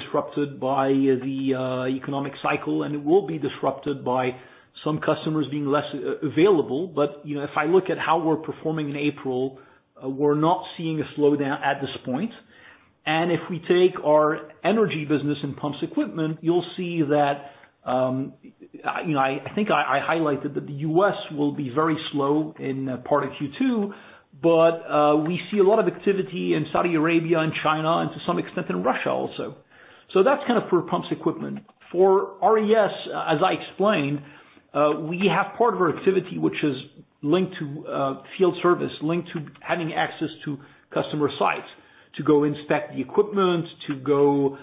Disrupted by the economic cycle, and it will be disrupted by some customers being less available. If I look at how we're performing in April, we're not seeing a slowdown at this point. If we take our energy business and pumps equipment, you'll see that, I think I highlighted that the U.S. will be very slow in part of Q2, but we see a lot of activity in Saudi Arabia and China, and to some extent, in Russia also. That's for pumps equipment. For RES, as I explained, we have part of our activity, which is linked to field service, linked to having access to customer sites to go inspect the equipment, to go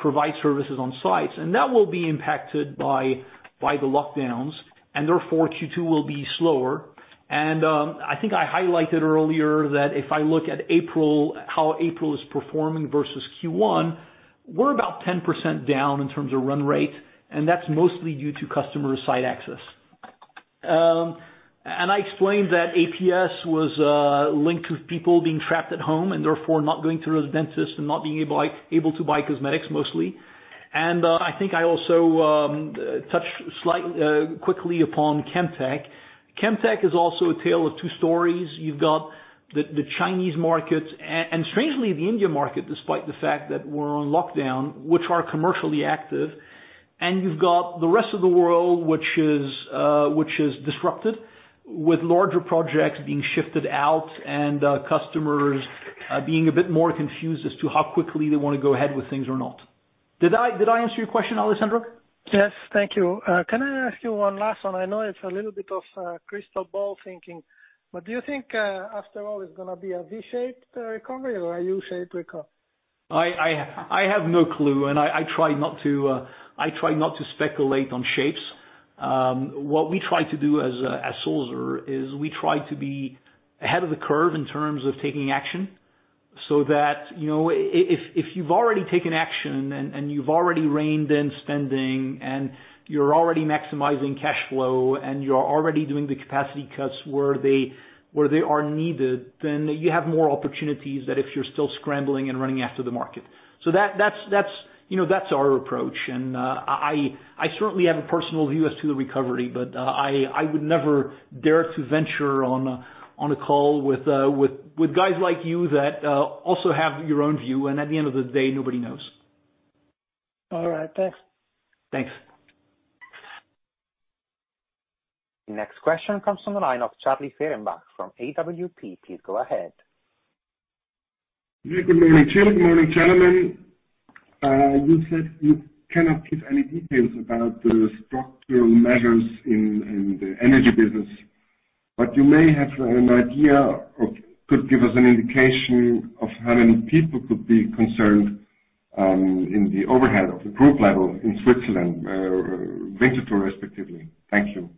provide services on sites. That will be impacted by the lockdowns, and therefore, Q2 will be slower. I think I highlighted earlier that if I look at how April is performing versus Q1, we're about 10% down in terms of run rate, and that's mostly due to customer site access. I explained that APS was linked to people being trapped at home, and therefore, not going to the dentist and not being able to buy cosmetics mostly. I think I also touched quickly upon Chemtech. Chemtech is also a tale of two stories. You've got the Chinese market, and strangely, the India market, despite the fact that we're on lockdown, which are commercially active. You've got the rest of the world which is disrupted with larger projects being shifted out and customers being a bit more confused as to how quickly they want to go ahead with things or not. Did I answer your question, Alessandro? Yes. Thank you. Can I ask you one last one? I know it's a little bit of crystal ball thinking, but do you think, after all, it's going to be a V-shaped recovery or a U-shaped recovery? I have no clue, and I try not to speculate on shapes. What we try to do as Sulzer is we try to be ahead of the curve in terms of taking action, so that if you've already taken action and you've already reined in spending and you're already maximizing cash flow and you're already doing the capacity cuts where they are needed, then you have more opportunities than if you're still scrambling and running after the market. That's our approach. I certainly have a personal view as to the recovery, but I would never dare to venture on a call with guys like you that also have your own view. At the end of the day, nobody knows. All right. Thanks. Thanks. The next question comes from the line of Charlie Fehrenbach from AWP. Please go ahead. Yeah. Good morning, Charlie. Good morning, gentlemen. You said you cannot give any details about the structural measures in the energy business, but you may have an idea or could give us an indication of how many people could be concerned in the overhead of the group level in Switzerland, Winterthur, respectively. Thank you.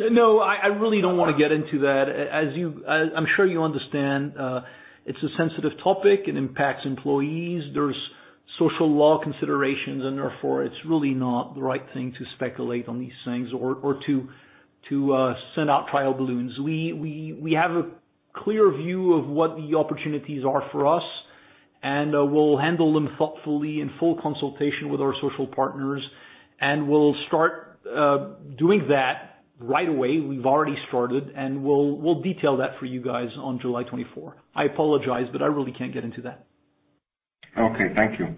No, I really don't want to get into that. As I'm sure you understand, it's a sensitive topic. It impacts employees. There's social law considerations. Therefore, it's really not the right thing to speculate on these things or to send out trial balloons. We have a clear view of what the opportunities are for us. We'll handle them thoughtfully in full consultation with our social partners. We'll start doing that right away. We've already started. We'll detail that for you guys on July 24th. I apologize. I really can't get into that. Okay. Thank you.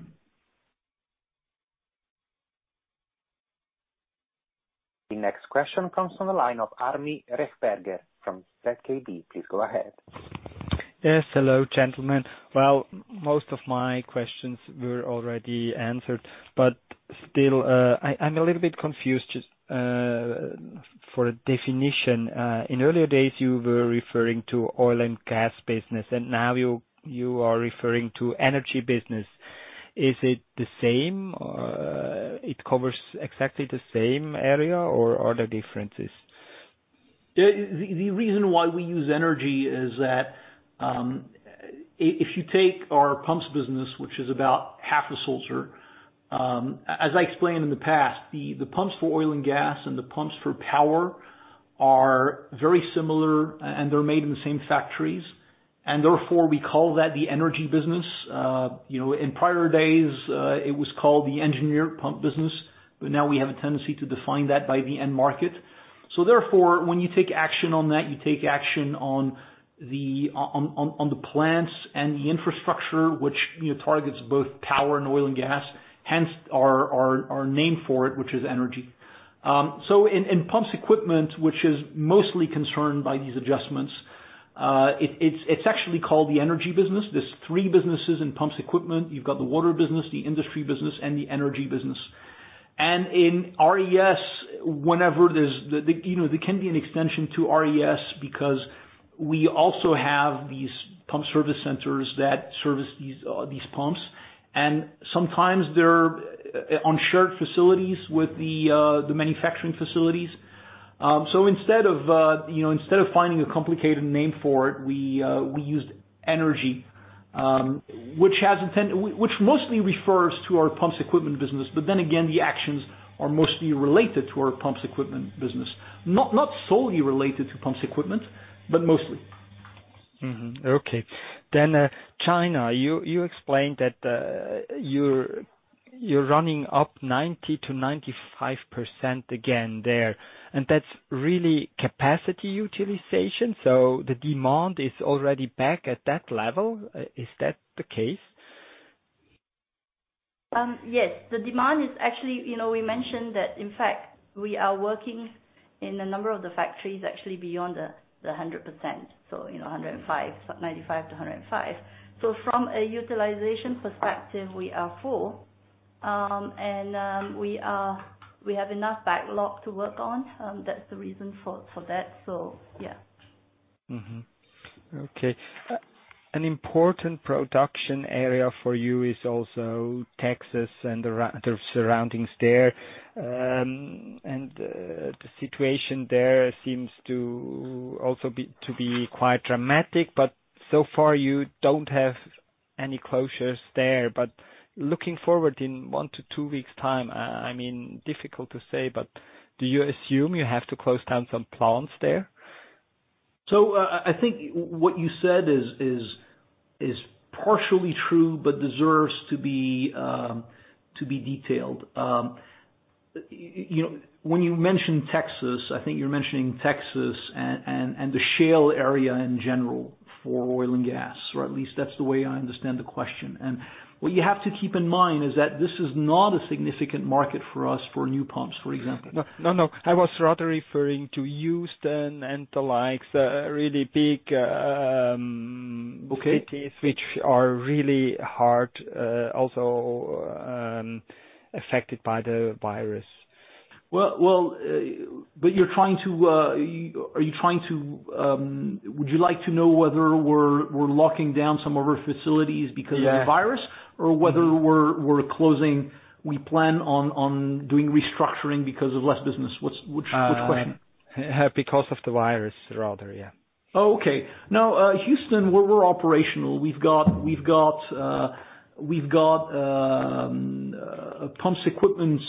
The next question comes from the line of Armin Rechberger from ZKB. Please go ahead. Yes. Hello, gentlemen. Well, most of my questions were already answered, but still, I'm a little bit confused just for a definition. In earlier days, you were referring to oil and gas business, and now you are referring to energy business. Is it the same? It covers exactly the same area or are there differences? The reason why we use energy is that if you take our pumps business, which is about half of Sulzer. As I explained in the past, the pumps for oil and gas and the pumps for power are very similar. They're made in the same factories. Therefore, we call that the Energy Business. In prior days, it was called the engineer pump business, but now, we have a tendency to define that by the end market. Therefore, when you take action on that, you take action on the plants and the infrastructure, which targets both power and oil and gas, hence our name for it, which is energy. In pumps equipment, which is mostly concerned by these adjustments, it's actually called the Energy Business. There are three businesses in pumps equipment. You've got the water business, the industry business, and the Energy Business. In RES, there can be an extension to RES because we also have these pump service centers that service these pumps. Sometimes they're on shared facilities with the manufacturing facilities. Instead of finding a complicated name for it, we used energy, which mostly refers to our pumps equipment business. Again, the actions are mostly related to our pumps equipment business. Not solely related to pumps equipment, but mostly. Okay. China, you explained that you're running up 90%-95% again there. That's really capacity utilization. The demand is already back at that level. Is that the case? Yes. We mentioned that, in fact, we are working in a number of the factories actually beyond the 100%. 95%-105%. From a utilization perspective, we are full. We have enough backlog to work on. That's the reason for that. Okay. An important production area for you is also Texas and the surroundings there. The situation there seems to also be quite dramatic, but so far, you don't have any closures there. Looking forward in one to two weeks time, difficult to say, but do you assume you have to close down some plants there? I think what you said is partially true, but deserves to be detailed. When you mention Texas, I think you're mentioning Texas and the shale area in general for oil and gas, or at least that's the way I understand the question. What you have to keep in mind is that this is not a significant market for us for new pumps, for example. No, I was rather referring to Houston and the likes, really. Okay. Cities which are really hard, also affected by the virus. Would you like to know whether we're locking down some of our facilities because of- Yeah. -the virus, or whether we plan on doing restructuring because of less business? Which question? Because of the virus rather, yeah. Okay. Now, Houston, we're operational. We've got pumps equipment,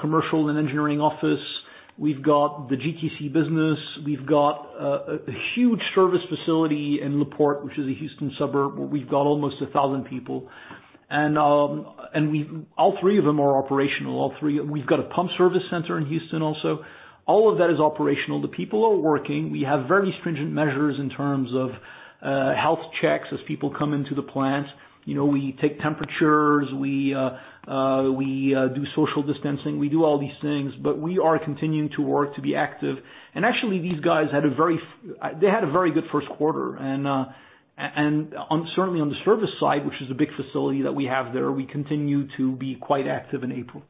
commercial and engineering office. We've got the GTC business. We've got a huge service facility in La Porte, which is a Houston suburb, where we've got almost 1,000 people. All three of them are operational. We've got a pump service center in Houston also. All of that is operational. The people are working. We have very stringent measures in terms of health checks as people come into the plant. We take temperatures, we do social distancing. We do all these things, we are continuing to work to be active. Actually, these guys had a very good first quarter. Certainly on the service side, which is a big facility that we have there, we continue to be quite active in April.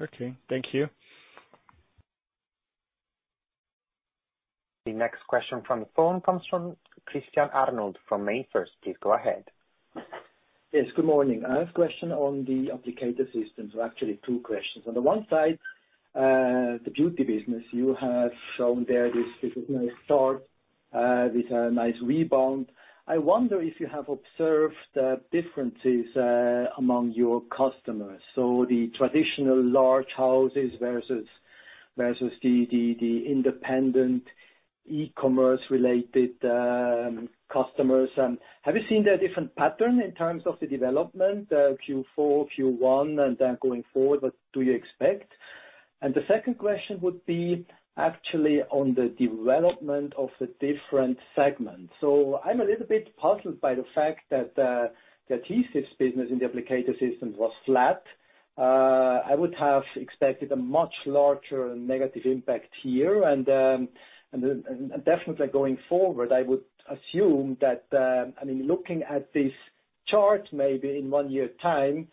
Okay. Thank you. The next question from the phone comes from Christian Arnold from MainFirst. Please go ahead. Yes, good morning. I have a question on the Applicator Systems, or actually two questions. On the one side, the beauty business, you have shown there this nice start, with a nice rebound. I wonder if you have observed differences among your customers. The traditional large houses versus the independent e-commerce related customers. Have you seen a different pattern in terms of the development, Q4, Q1, and then going forward, what do you expect? The second question would be actually on the development of the different segments. I'm a little bit puzzled by the fact that the adhesives business in the Applicator Systems was flat. I would have expected a much larger negative impact here. Definitely going forward, I would assume that, looking at this chart, maybe in one year's time,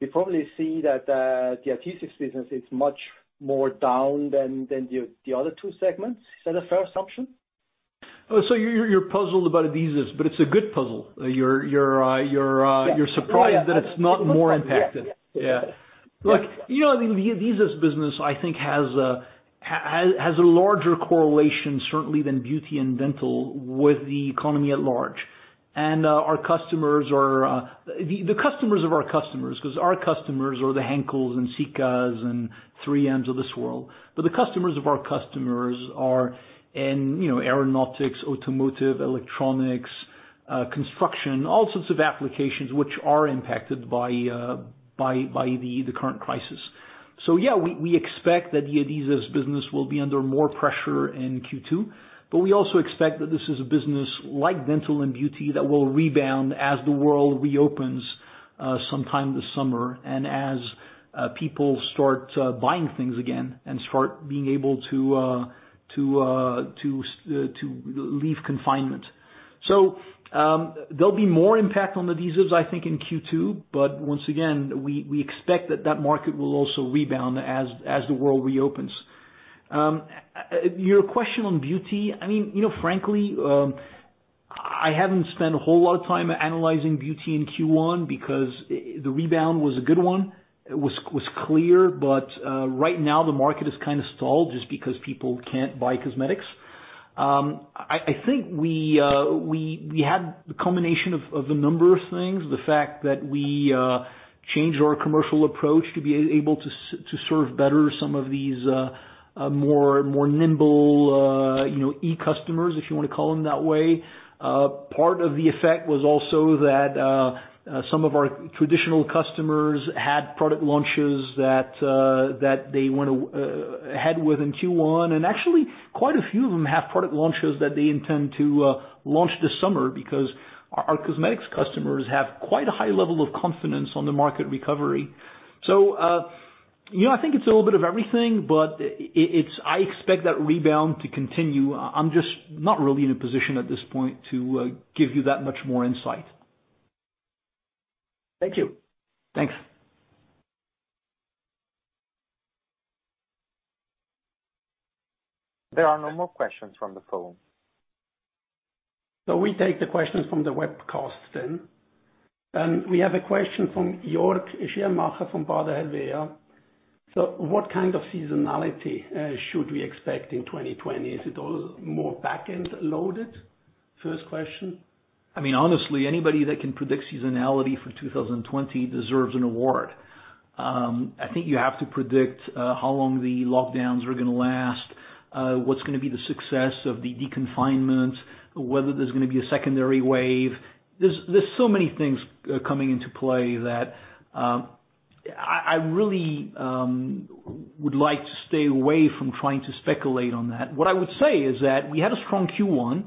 we probably see that the adhesives business is much more down than the other two segments. Is that a fair assumption? You're puzzled about adhesives, but it's a good puzzle. You're surprised that it's not more impacted. Yes. Yeah. Look, the adhesives business, I think has a larger correlation, certainly than beauty and dental, with the economy at large. The customers of our customers, because our customers are the Henkel and Sika and 3M of this world. The customers of our customers are in aeronautics, automotive, electronics, construction, all sorts of applications which are impacted by the current crisis. yeah, we expect that the adhesives business will be under more pressure in Q2. We also expect that this is a business like dental and beauty that will rebound as the world reopens sometime this summer and as people start buying things again and start being able to leave confinement. there'll be more impact on adhesives, I think, in Q2, but once again, we expect that that market will also rebound as the world reopens. Your question on beauty, frankly I haven't spent a whole lot of time analyzing beauty in Q1 because the rebound was a good one. It was clear. Right now, the market has kind of stalled just because people can't buy cosmetics. I think we had the combination of a number of things. The fact that we changed our commercial approach to be able to serve better some of these more nimble e-customers, if you want to call them that way. Part of the effect was also that some of our traditional customers had product launches that they went ahead with in Q1, and actually, quite a few of them have product launches that they intend to launch this summer because our cosmetics customers have quite a high level of confidence on the market recovery. I think it's a little bit of everything, but I expect that rebound to continue. I'm just not really in a position at this point to give you that much more insight. Thank you. Thanks. There are no more questions from the phone. We take the questions from the webcast then. We have a question from Jörg-André Finke from HSBC. What kind of seasonality should we expect in 2020? Is it all more back-end loaded? First question. Honestly, anybody that can predict seasonality for 2020 deserves an award. I think you have to predict how long the lockdowns are going to last, what's going to be the success of the deconfinement, whether there's going to be a secondary wave. There's so many things coming into play that I really would like to stay away from trying to speculate on that. What I would say is that we had a strong Q1.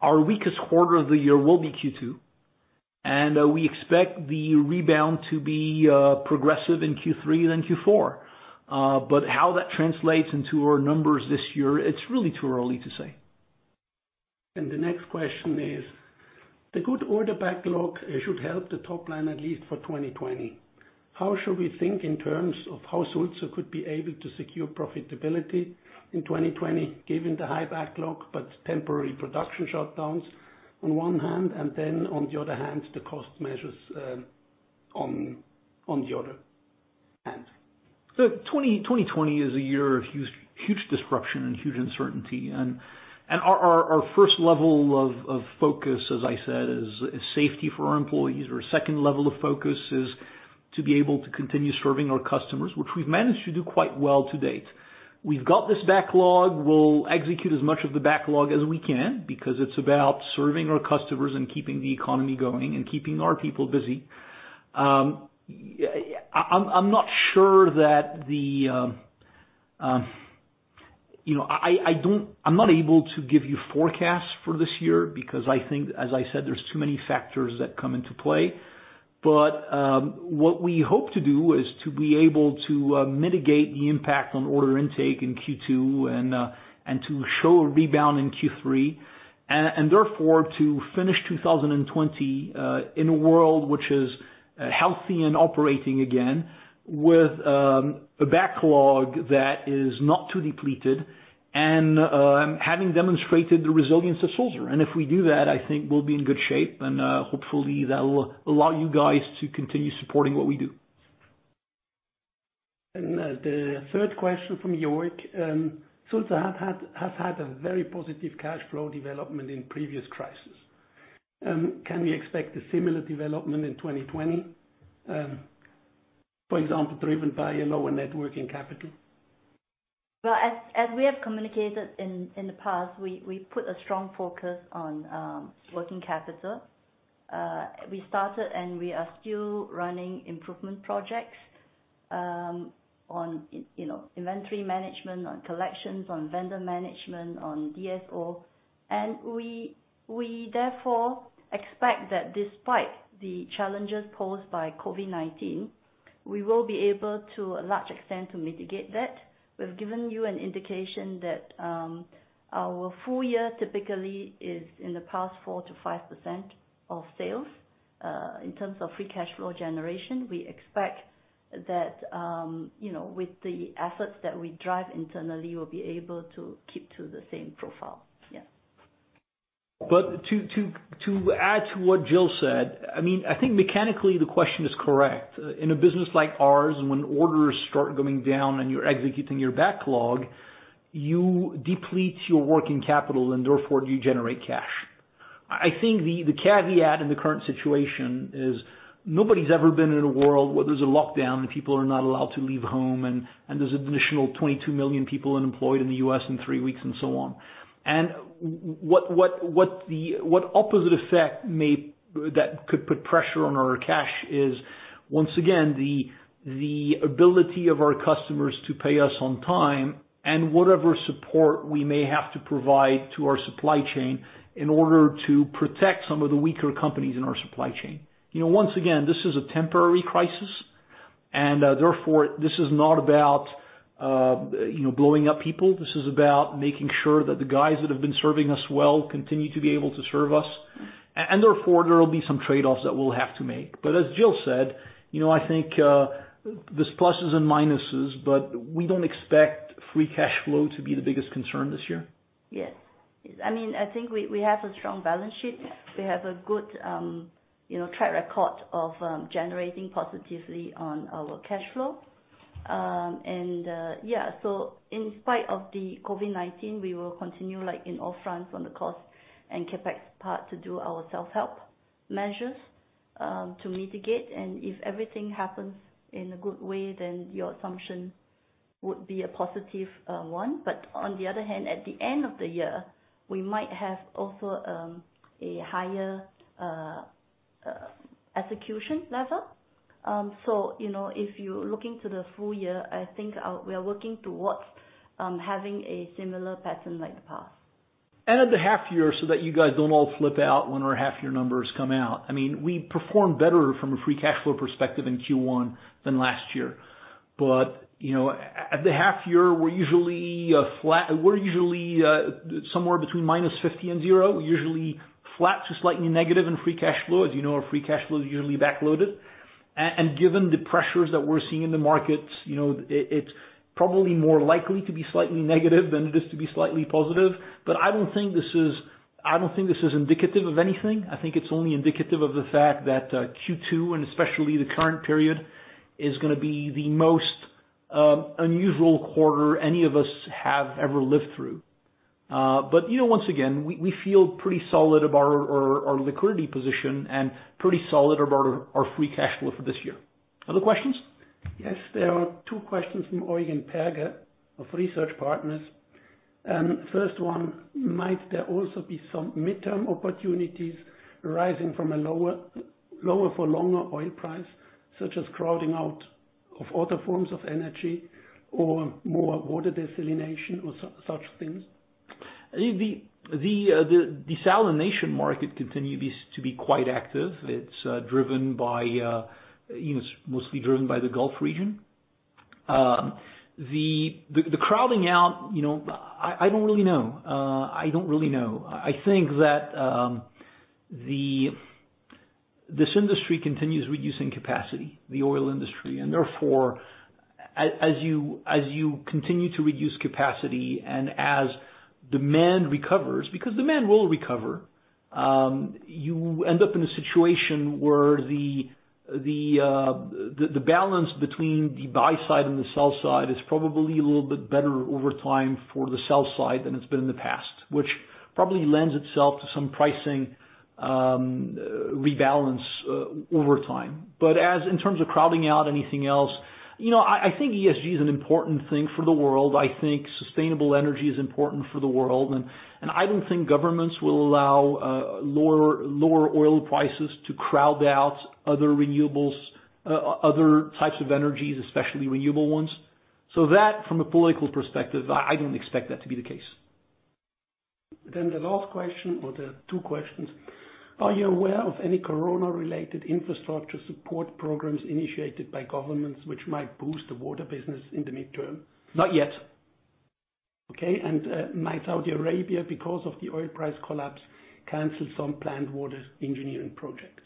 Our weakest quarter of the year will be Q2, and we expect the rebound to be progressive in Q3 than Q4. How that translates into our numbers this year, it's really too early to say. The next question is, the good order backlog should help the top line at least for 2020. How should we think in terms of how Sulzer could be able to secure profitability in 2020, given the high backlog but temporary production shutdowns on one hand, and then on the other hand, the cost measures on the other hand? 2020 is a year of huge disruption and huge uncertainty. Our first level of focus, as I said, is safety for our employees. Our second level of focus is to be able to continue serving our customers, which we've managed to do quite well to date. We've got this backlog. We'll execute as much of the backlog as we can because it's about serving our customers and keeping the economy going and keeping our people busy. I'm not able to give you forecasts for this year because I think, as I said, there's too many factors that come into play. What we hope to do is to be able to mitigate the impact on order intake in Q2 and to show a rebound in Q3, and therefore, to finish 2020 in a world which is healthy and operating again with a backlog that is not too depleted and having demonstrated the resilience of Sulzer. If we do that, I think we'll be in good shape and hopefully, that will allow you guys to continue supporting what we do. The third question from Jörg. Sulzer has had a very positive cash flow development in previous crisis. Can we expect a similar development in 2020, for example, driven by a lower net working capital? Well, as we have communicated in the past, we put a strong focus on working capital. We started and we are still running improvement projects on inventory management, on collections, on vendor management, on DSO. We therefore expect that despite the challenges posed by COVID-19, we will be able to, a large extent, to mitigate that. We've given you an indication that our full year typically is in the past 4%-5% of sales. In terms of free cash flow generation, we expect that with the efforts that we drive internally, we'll be able to keep to the same profile. Yeah. To add to what Jill said, I think mechanically the question is correct. In a business like ours, when orders start going down and you're executing your backlog, you deplete your working capital and therefore you generate cash. I think the caveat in the current situation is nobody's ever been in a world where there's a lockdown and people are not allowed to leave home and there's an additional 22 million people unemployed in the U.S. in three weeks and so on. What opposite effect that could put pressure on our cash is, once again, the ability of our customers to pay us on time and whatever support we may have to provide to our supply chain in order to protect some of the weaker companies in our supply chain. Once again, this is a temporary crisis, and therefore, this is not about blowing up people. This is about making sure that the guys that have been serving us well continue to be able to serve us. Therefore, there will be some trade-offs that we'll have to make. As Jill said, I think there's pluses and minuses, but we don't expect free cash flow to be the biggest concern this year. I think we have a strong balance sheet. We have a good track record of generating positively on our cash flow. yeah, in spite of the COVID-19, we will continue, like in all fronts on the cost and CapEx part, to do our self-help measures to mitigate. If everything happens in a good way, your assumption would be a positive one. On the other hand, at the end of the year, we might have also a higher execution level. If you're looking to the full year, I think we are working towards having a similar pattern like the past. At the half-year, so that you guys don't all flip out when our half-year numbers come out. We performed better from a free cash flow perspective in Q1 than last year. At the half-year, we're usually somewhere between minus 50 and 0. We're usually flat to slightly negative in free cash flow. As you know, our free cash flow is usually back-loaded. Given the pressures that we're seeing in the markets, it's probably more likely to be slightly negative than it is to be slightly positive. I don't think this is indicative of anything. I think it's only indicative of the fact that Q2, and especially the current period, is going to be the most unusual quarter any of us have ever lived through. Once again, we feel pretty solid about our liquidity position and pretty solid about our free cash flow for this year. Other questions? Yes, there are two questions from Eugen Perger of Research Partners. First one, might there also be some midterm opportunities arising from a lower for longer oil price, such as crowding out of other forms of energy or more water desalination or such things? The desalination market continues to be quite active. It's mostly driven by the Gulf region. The crowding out, I don't really know. I think that this industry continues reducing capacity, the oil industry, and therefore, as you continue to reduce capacity and as demand recovers, because demand will recover, you end up in a situation where the balance between the buy side and the sell side is probably a little bit better over time for the sell side than it's been in the past, which probably lends itself to some pricing rebalance over time. As in terms of crowding out anything else, I think ESG is an important thing for the world. I think sustainable energy is important for the world. I don't think governments will allow lower oil prices to crowd out other types of energies, especially renewable ones. That, from a political perspective, I don't expect that to be the case. The last question, or the two questions. Are you aware of any corona-related infrastructure support programs initiated by governments which might boost the water business in the midterm? Not yet. Okay. Might Saudi Arabia, because of the oil price collapse, cancel some planned water engineering projects?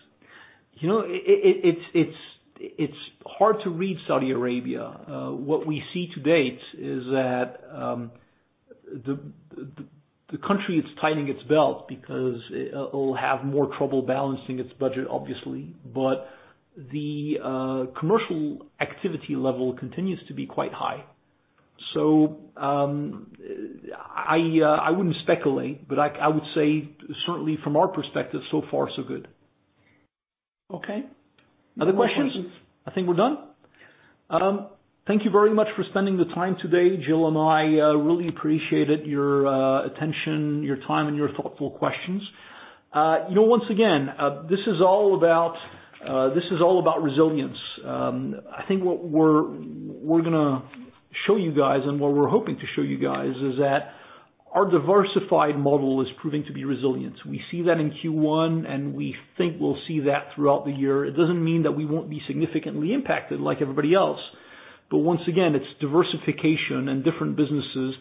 It's hard to read Saudi Arabia. What we see to date is that the country is tightening its belt because it'll have more trouble balancing its budget, obviously. The commercial activity level continues to be quite high. I wouldn't speculate, but I would say certainly from our perspective, so far, so good. Okay. Other questions? I think we're done. Thank you very much for spending the time today. Jill and I really appreciated your attention, your time, and your thoughtful questions. Once again, this is all about resilience. I think what we're going to show you guys, and what we're hoping to show you guys, is that our diversified model is proving to be resilient. We see that in Q1, and we think we'll see that throughout the year. It doesn't mean that we won't be significantly impacted like everybody else. But once again, it's diversification and different businesses.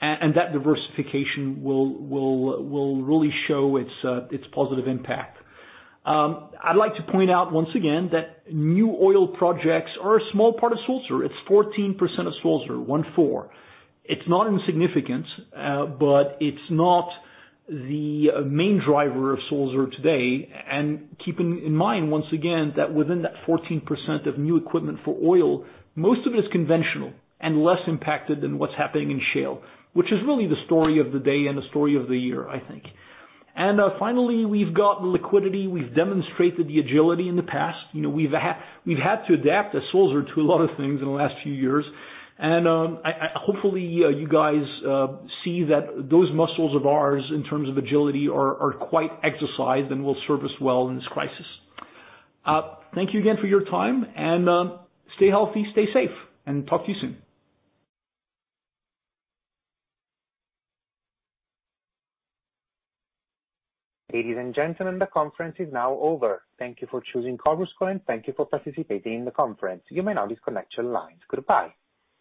And that diversification will really show its positive impact. I'd like to point out once again that new oil projects are a small part of Sulzer. It's 14% of Sulzer, 14. It's not insignificant, but it's not the main driver of Sulzer today. Keeping in mind, once again, that within that 14% of new equipment for oil, most of it is conventional and less impacted than what's happening in shale, which is really the story of the day and the story of the year, I think. Finally, we've got liquidity. We've demonstrated the agility in the past. We've had to adapt as Sulzer to a lot of things in the last few years. Hopefully, you guys see that those muscles of ours, in terms of agility, are quite exercised and will serve us well in this crisis. Thank you again for your time, and stay healthy, stay safe, and talk to you soon. Ladies and gentlemen, the conference is now over. Thank you for choosing Chorus Call, and thank you for participating in the conference. You may now disconnect your lines. Goodbye.